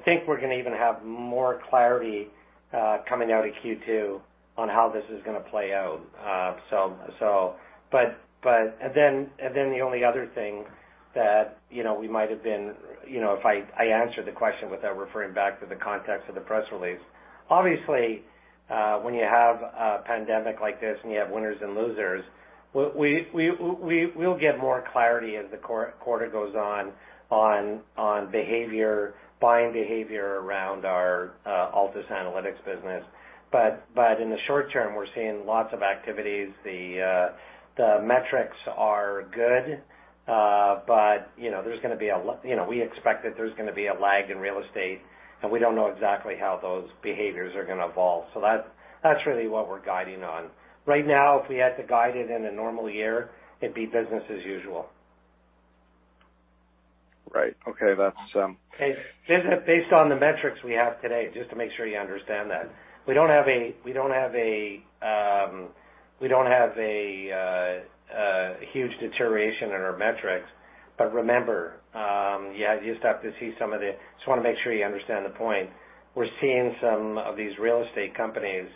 think we're going to even have more clarity coming out of Q2 on how this is going to play out. If I answer the question without referring back to the context of the press release. Obviously, when you have a pandemic like this, and you have winners and losers, we'll get more clarity as the quarter goes on buying behavior around our Altus Analytics business. In the short term, we're seeing lots of activities. The metrics are good. We expect that there's going to be a lag in real estate, and we don't know exactly how those behaviors are going to evolve. That's really what we're guiding on. Right now, if we had to guide it in a normal year, it'd be business as usual. Right. Okay. That's- Based on the metrics we have today, just to make sure you understand that. We don't have a huge deterioration in our metrics. Remember, you just have to see. Just want to make sure you understand the point. We're seeing some of these real estate companies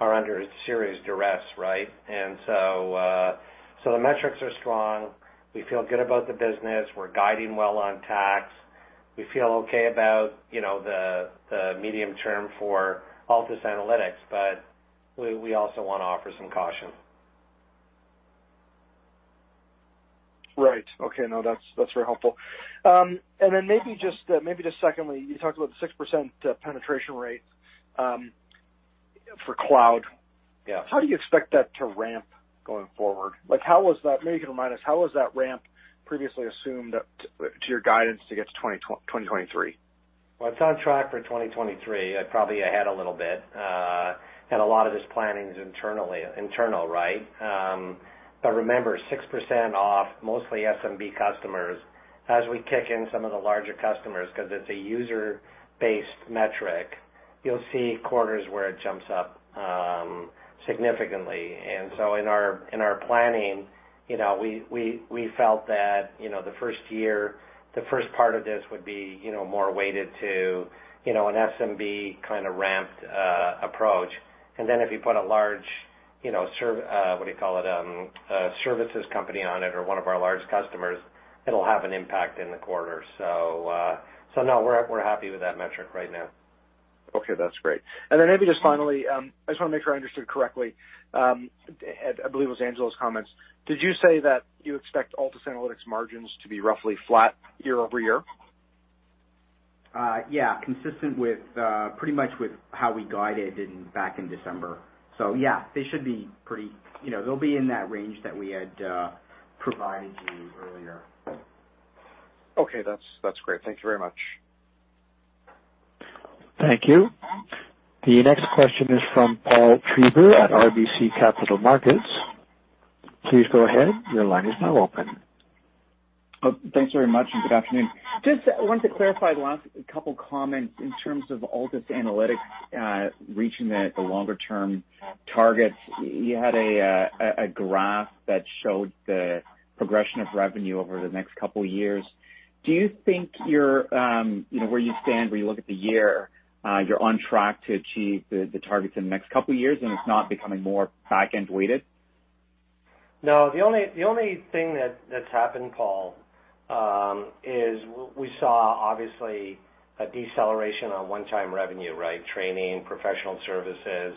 are under serious duress, right? The metrics are strong. We feel good about the business. We're guiding well on tax. We feel okay about the medium term for Altus Analytics. We also want to offer some caution. Right. Okay. No, that's very helpful. Maybe just secondly, you talked about the 6% penetration rate for cloud. Yeah. How do you expect that to ramp going forward? Maybe you can remind us, how was that ramp previously assumed to your guidance to get to 2023? Well, it's on track for 2023. Probably ahead a little bit. A lot of this planning is internal, right? Remember, 6% off mostly SMB customers as we kick in some of the larger customers because it's a user-based metric. You'll see quarters where it jumps up significantly. In our planning, we felt that the first part of this would be more weighted to an SMB kind of ramped approach. If you put a large services company on it or one of our large customers, it'll have an impact in the quarter. No, we're happy with that metric right now. Okay, that's great. Maybe just finally, I just want to make sure I understood correctly. I believe it was Angelo's comments. Did you say that you expect Altus Analytics margins to be roughly flat year-over-year? Yeah. Consistent pretty much with how we guided back in December. Yeah, they'll be in that range that we had provided you earlier. Okay, that's great. Thank you very much. Thank you. The next question is from Paul Treiber at RBC Capital Markets. Please go ahead. Your line is now open. Thanks very much and good afternoon. Just wanted to clarify the last couple comments in terms of Altus Analytics reaching the longer-term targets. You had a graph that showed the progression of revenue over the next couple of years. Do you think where you stand when you look at the year, you're on track to achieve the targets in the next couple of years, and it's not becoming more back-end weighted? No, the only thing that's happened, Paul, is we saw obviously a deceleration on one-time revenue. Training, professional services.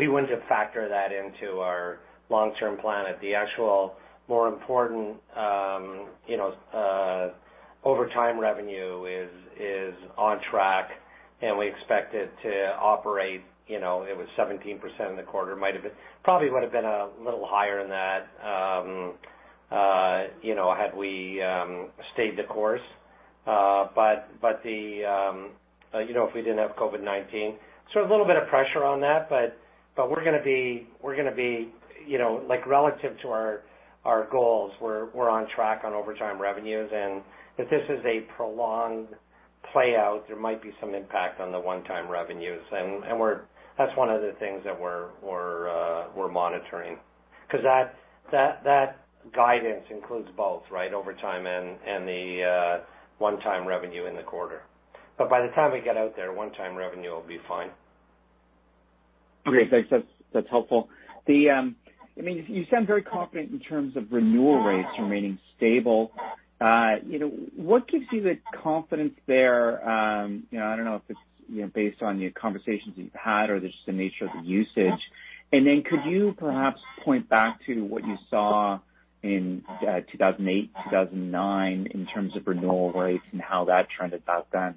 We wouldn't factor that into our long-term plan. The actual more important over time revenue is on track, and we expect it to operate. It was 17% in the quarter. Probably would've been a little higher than that had we stayed the course. If we didn't have COVID-19. A little bit of pressure on that, but like relative to our goals, we're on track on over time revenues, and if this is a prolonged play out, there might be some impact on the one-time revenues. That's one of the things that we're monitoring because that guidance includes both, overtime and the one-time revenue in the quarter. By the time we get out there, one-time revenue will be fine. Okay. That's helpful. You sound very confident in terms of renewal rates remaining stable. What gives you the confidence there? I don't know if it's based on your conversations that you've had or just the nature of the usage. Could you perhaps point back to what you saw in 2008, 2009 in terms of renewal rates and how that trended back then?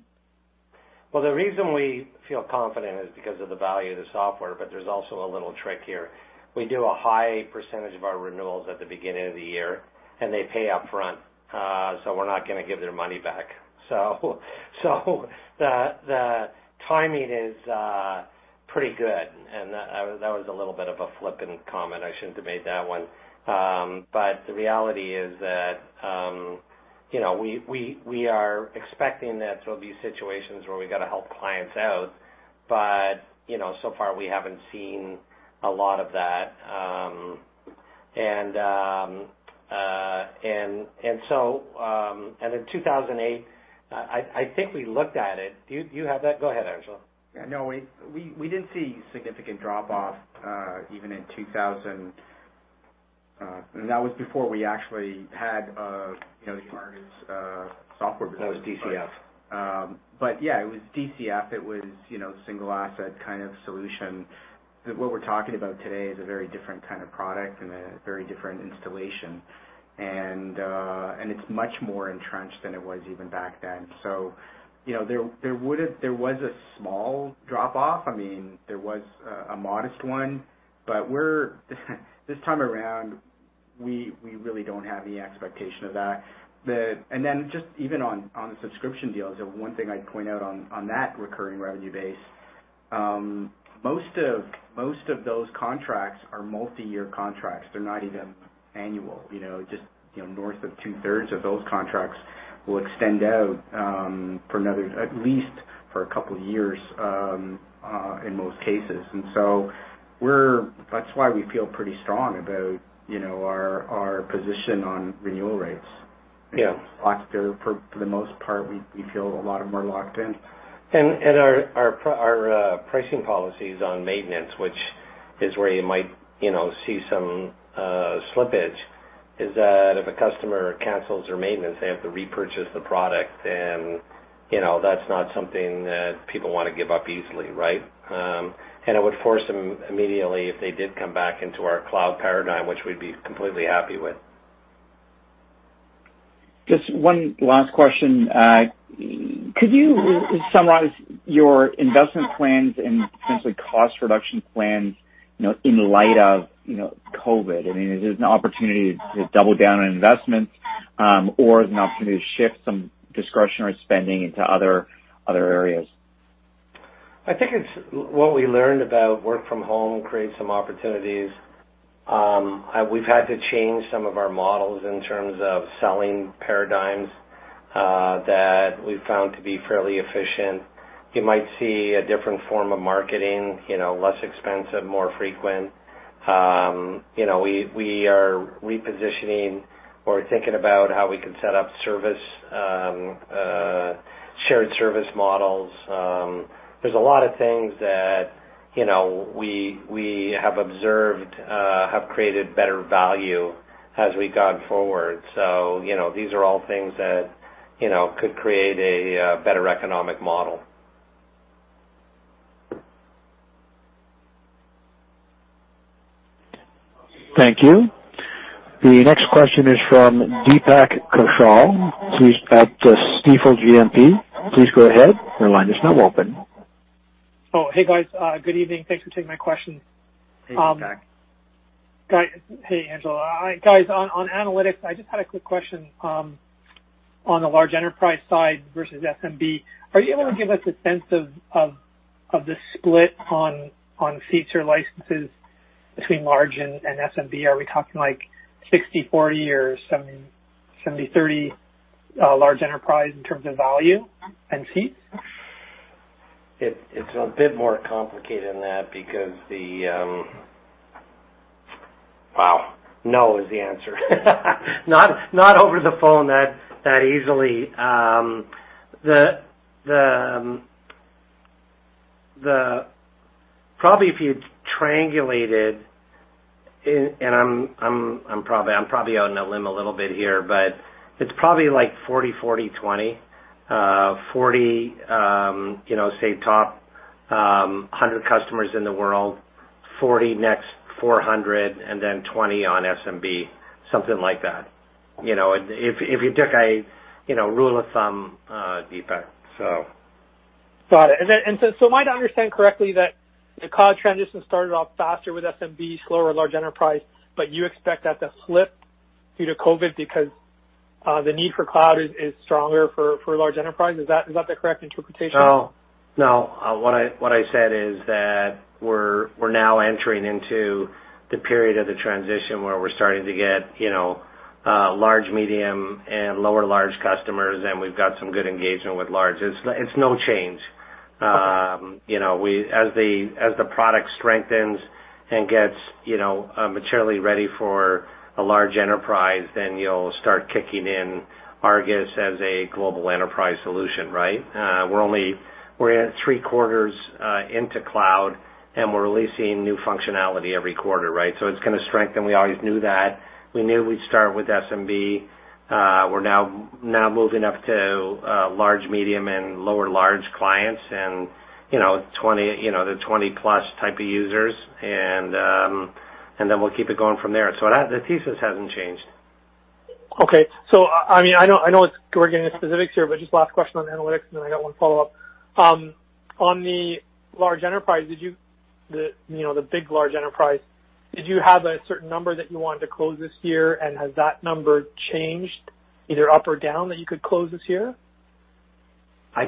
Well, the reason we feel confident is because of the value of the software, but there's also a little trick here. We do a high percentage of our renewals at the beginning of the year, and they pay upfront. We're not going to give their money back. The timing is pretty good, and that was a little bit of a flippant comment. I shouldn't have made that one. The reality is that we are expecting that there'll be situations where we've got to help clients out. So far we haven't seen a lot of that. In 2008, I think we looked at it. Do you have that? Go ahead, Angelo. Yeah. No, we didn't see significant drop-off, even in 2000. That was before we actually had the current software business. That was DCF. Yeah, it was DCF. It was single asset kind of solution. What we're talking about today is a very different kind of product and a very different installation. It's much more entrenched than it was even back then. There was a small drop-off. There was a modest one. This time around, we really don't have any expectation of that. Then just even on the subscription deals, the one thing I'd point out on that recurring revenue base, most of those contracts are multi-year contracts. They're not even annual. Just north of 2/3 of those contracts will extend out at least for a couple of years in most cases. So that's why we feel pretty strong about our position on renewal rates. Yeah. For the most part, we feel a lot of them are locked in. Our pricing policies on maintenance, which is where you might see some slippage, is that if a customer cancels their maintenance, they have to repurchase the product, and that's not something that people want to give up easily, right? It would force them immediately if they did come back into our cloud paradigm, which we'd be completely happy with. Just one last question. Could you summarize your investment plans and potentially cost reduction plans in light of COVID-19? I mean, is it an opportunity to double down on investments, or is it an opportunity to shift some discretionary spending into other areas? I think it's what we learned about work from home creates some opportunities. We've had to change some of our models in terms of selling paradigms that we've found to be fairly efficient. You might see a different form of marketing, less expensive, more frequent. We are repositioning or thinking about how we can set up shared service models. There's a lot of things that we have observed have created better value as we've gone forward. These are all things that could create a better economic model. Thank you. The next question is from Deepak Kaushal at Stifel GMP. Please go ahead. Your line is now open. Oh, hey, guys. Good evening. Thanks for taking my question. Hey, Deepak. Hey, Angelo. Guys, on Altus Analytics, I just had a quick question on the large enterprise side versus SMB. Are you able to give us a sense of the split on feature licenses between large and SMB? Are we talking like 60/40 or 70/30 large enterprise in terms of value and seats? It's a bit more complicated than that because Wow, no is the answer. Not over the phone that easily. Probably if you triangulated, and I'm probably out on a limb a little bit here, but it's probably like 40/40/20. 40, say top 100 customers in the world, 40 next 400, and then 20 on SMB, something like that. If you took a rule of thumb, Deepak. Got it. Am I to understand correctly that the cloud transition started off faster with SMB, slower large enterprise, but you expect that to flip due to COVID because the need for cloud is stronger for large enterprise? Is that the correct interpretation? No. What I said is that we're now entering into the period of the transition where we're starting to get large, medium, and lower large customers, and we've got some good engagement with large. It's no change. As the product strengthens and gets maturely ready for a large enterprise, you'll start kicking in ARGUS as a global enterprise solution, right? We're only three quarters into Cloud, and we're releasing new functionality every quarter, right? It's going to strengthen. We always knew that. We knew we'd start with SMB. We're now moving up to large medium and lower large clients and the 20+ type of users. We'll keep it going from there. The thesis hasn't changed. Okay. I know we're getting into specifics here, but just last question on analytics, and then I got one follow-up. On the large enterprise, the big large enterprise, did you have a certain number that you wanted to close this year, and has that number changed, either up or down, that you could close this year? I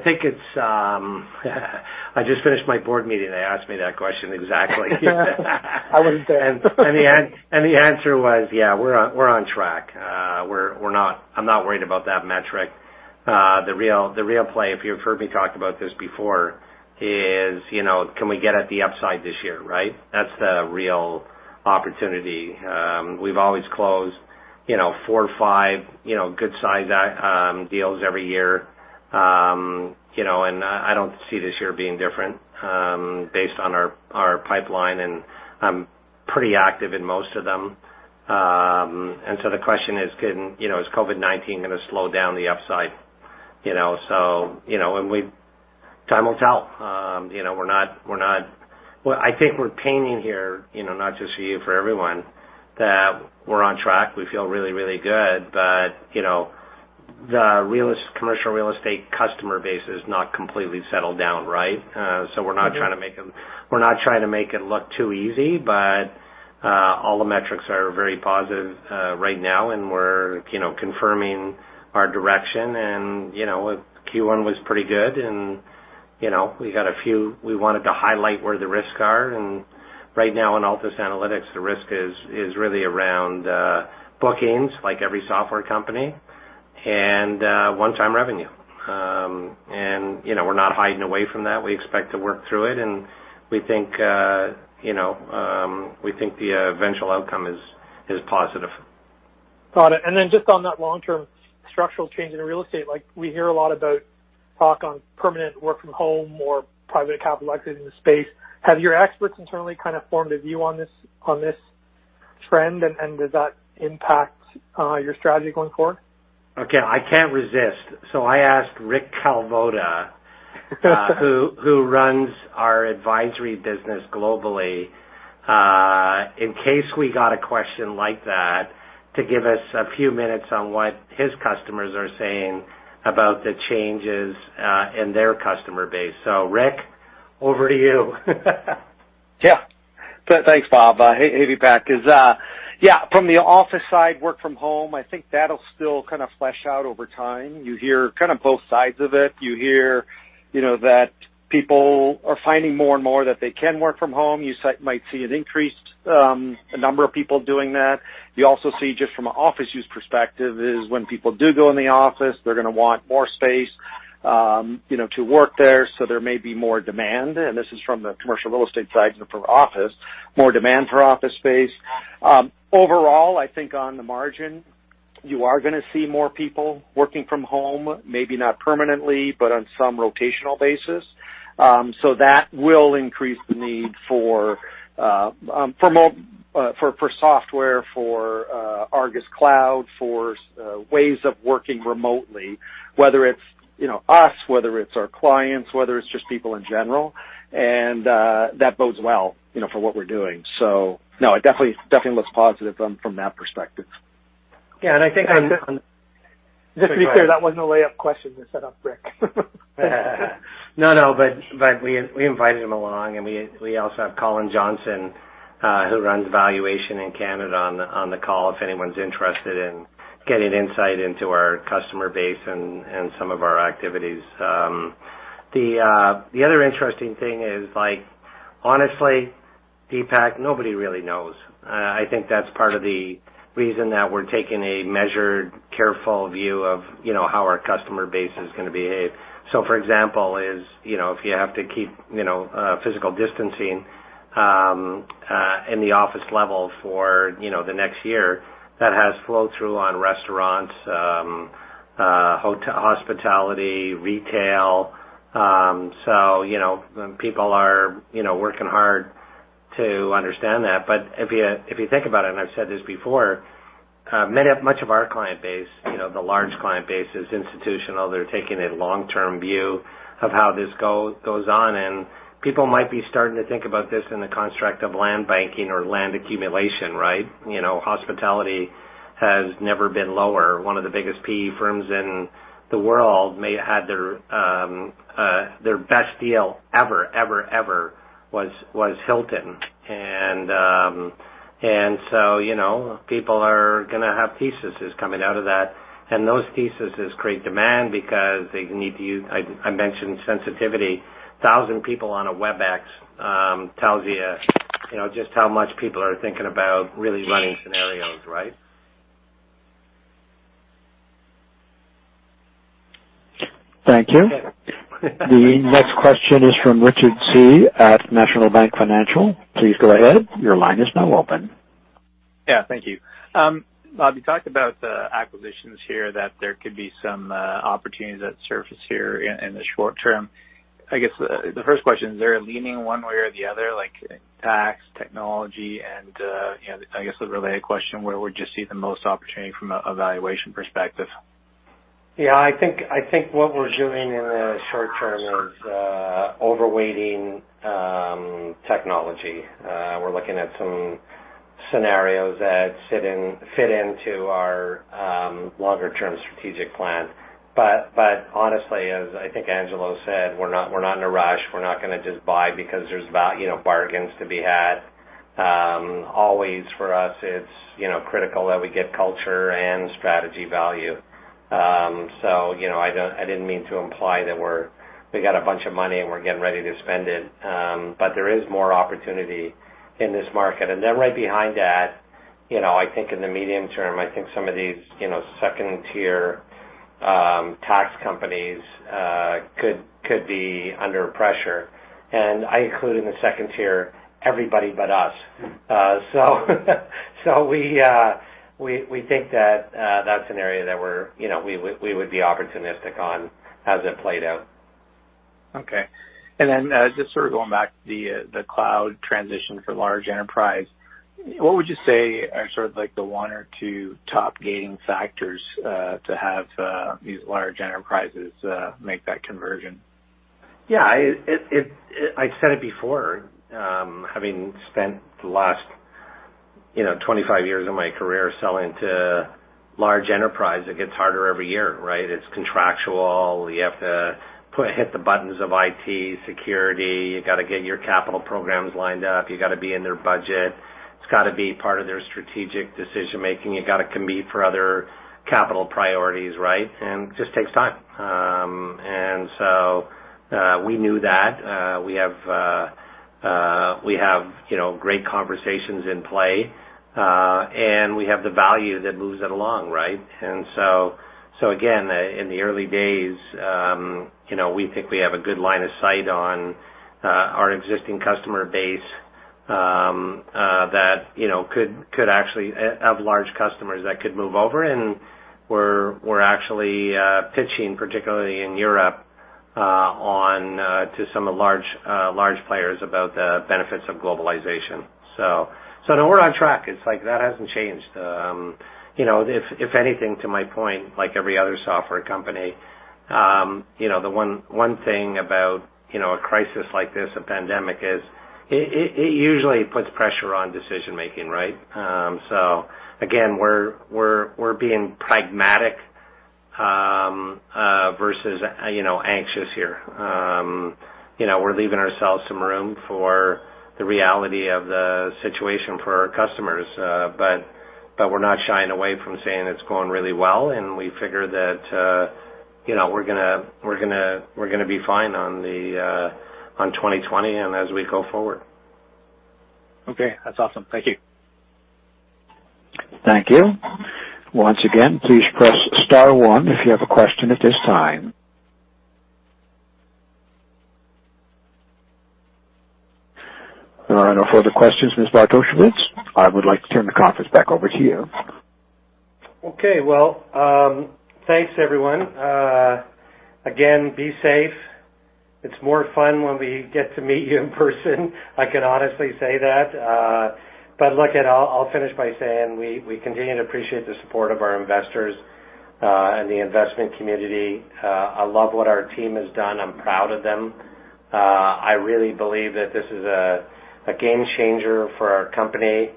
just finished my board meeting, they asked me that question exactly. I wasn't there. The answer was, yeah, we're on track. I'm not worried about that metric. The real play, if you've heard me talk about this before, is can we get at the upside this year, right? That's the real opportunity. We've always closed four or five good-sized deals every year. I don't see this year being different based on our pipeline, and I'm pretty active in most of them. The question is: Is COVID-19 going to slow down the upside? Time will tell. What I think we're painting here, not just for you, for everyone, that we're on track. We feel really, really good. The commercial real estate customer base is not completely settled down, right? We're not trying to make it look too easy, but all the metrics are very positive right now, and we're confirming our direction. Q1 was pretty good, and we wanted to highlight where the risks are. Right now in Altus Analytics, the risk is really around bookings, like every software company, and one-time revenue. We're not hiding away from that. We expect to work through it, and we think the eventual outcome is positive. Got it. Just on that long-term structural change in real estate, we hear a lot about talk on permanent work from home or private capital exiting the space. Have your experts internally formed a view on this trend, and does that impact your strategy going forward? Okay. I can't resist. I asked Rick Kalvoda, who runs our advisory business globally, in case we got a question like that, to give us a few minutes on what his customers are saying about the changes in their customer base. Rick, over to you. Yeah. Thanks, Bob. Hey, Deepak. From the office side, work from home, I think that'll still flesh out over time. You hear both sides of it. You hear that people are finding more and more that they can work from home. You might see an increased number of people doing that. You also see just from an office use perspective is when people do go in the office, they're going to want more space to work there. There may be more demand, and this is from the commercial real estate side for office, more demand for office space. Overall, I think on the margin, you are going to see more people working from home, maybe not permanently, but on some rotational basis. That will increase the need for software, for ARGUS Cloud, for ways of working remotely, whether it's us, whether it's our clients, whether it's just people in general. That bodes well for what we're doing. No, it definitely looks positive from that perspective. Yeah, I think. Just to be clear, that was no lay-up question to set up Rick. No, but we invited him along, and we also have Colin Johnston, who runs valuation in Canada, on the call, if anyone's interested in getting insight into our customer base and some of our activities. The other interesting thing is, honestly, Deepak, nobody really knows. I think that's part of the reason that we're taking a measured, careful view of how our customer base is going to behave. For example is, if you have to keep physical distancing in the office level for the next year, that has flow-through on restaurants, hospitality, retail. People are working hard to understand that. If you think about it, and I've said this before, much of our client base, the large client base is institutional. They're taking a long-term view of how this goes on, and people might be starting to think about this in the construct of land banking or land accumulation, right? Hospitality has never been lower. One of the biggest PE firms in the world may have had their best deal ever was Hilton. People are going to have theses coming out of that. Those theses create demand because they need to use, I mentioned sensitivity. Thousand people on a Webex tells you just how much people are thinking about really running scenarios, right? Thank you. The next question is from Richard Tse at National Bank Financial. Please go ahead. Your line is now open. Yeah, thank you. Bob, you talked about the acquisitions here, that there could be some opportunities that surface here in the short term. I guess, the first question, is there a leaning one way or the other, like tax, technology, and I guess the related question, where would you see the most opportunity from a valuation perspective? Yeah, I think what we're doing in the short term is overweighting technology. We're looking at some scenarios that fit into our longer-term strategic plan. Honestly, as I think Angelo said, we're not in a rush. We're not going to just buy because there's bargains to be had. Always, for us, it's critical that we get culture and strategy value. I didn't mean to imply that we got a bunch of money and we're getting ready to spend it. There is more opportunity in this market. Right behind that, I think in the medium term, I think some of these second tier tax companies could be under pressure. I include in the second tier everybody but us. We think that's an area that we would be opportunistic on as it played out. Okay. Just sort of going back to the cloud transition for large enterprise, what would you say are sort of the one or two top gating factors to have these large enterprises make that conversion? Yeah. I've said it before. Having spent the last 25 years of my career selling to large enterprise, it gets harder every year, right? It's contractual. You have to hit the buttons of IT, security. You've got to get your capital programs lined up. You've got to be in their budget. It's got to be part of their strategic decision-making. You've got to compete for other capital priorities, right? It just takes time. We knew that. We have great conversations in play. We have the value that moves it along, right? Again, in the early days, we think we have a good line of sight on our existing customer base that could actually have large customers that could move over, and we're actually pitching, particularly in Europe, to some large players about the benefits of globalization. No, we're on track. It's like that hasn't changed. If anything, to my point, like every other software company, the one thing about a crisis like this, a pandemic, is it usually puts pressure on decision-making, right? Again, we're being pragmatic versus anxious here. We're leaving ourselves some room for the reality of the situation for our customers. We're not shying away from saying it's going really well, and we figure that we're going to be fine on 2020 and as we go forward. Okay. That's awesome. Thank you. Thank you. Once again, please press star one if you have a question at this time. There are no further questions. Ms. Bartosiewicz, I would like to turn the conference back over to you. Okay. Well, thanks everyone. Again, be safe. It's more fun when we get to meet you in person. I can honestly say that. Look, I'll finish by saying we continue to appreciate the support of our investors and the investment community. I love what our team has done. I'm proud of them. I really believe that this is a game changer for our company.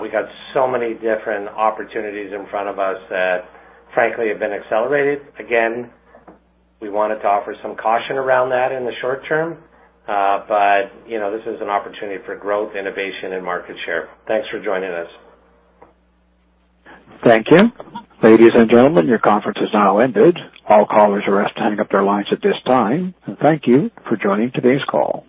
We've got so many different opportunities in front of us that, frankly, have been accelerated. Again, we wanted to offer some caution around that in the short term. This is an opportunity for growth, innovation, and market share. Thanks for joining us. Thank you. Ladies and gentlemen, your conference has now ended. All callers are asked to hang up their lines at this time. Thank you for joining today's call.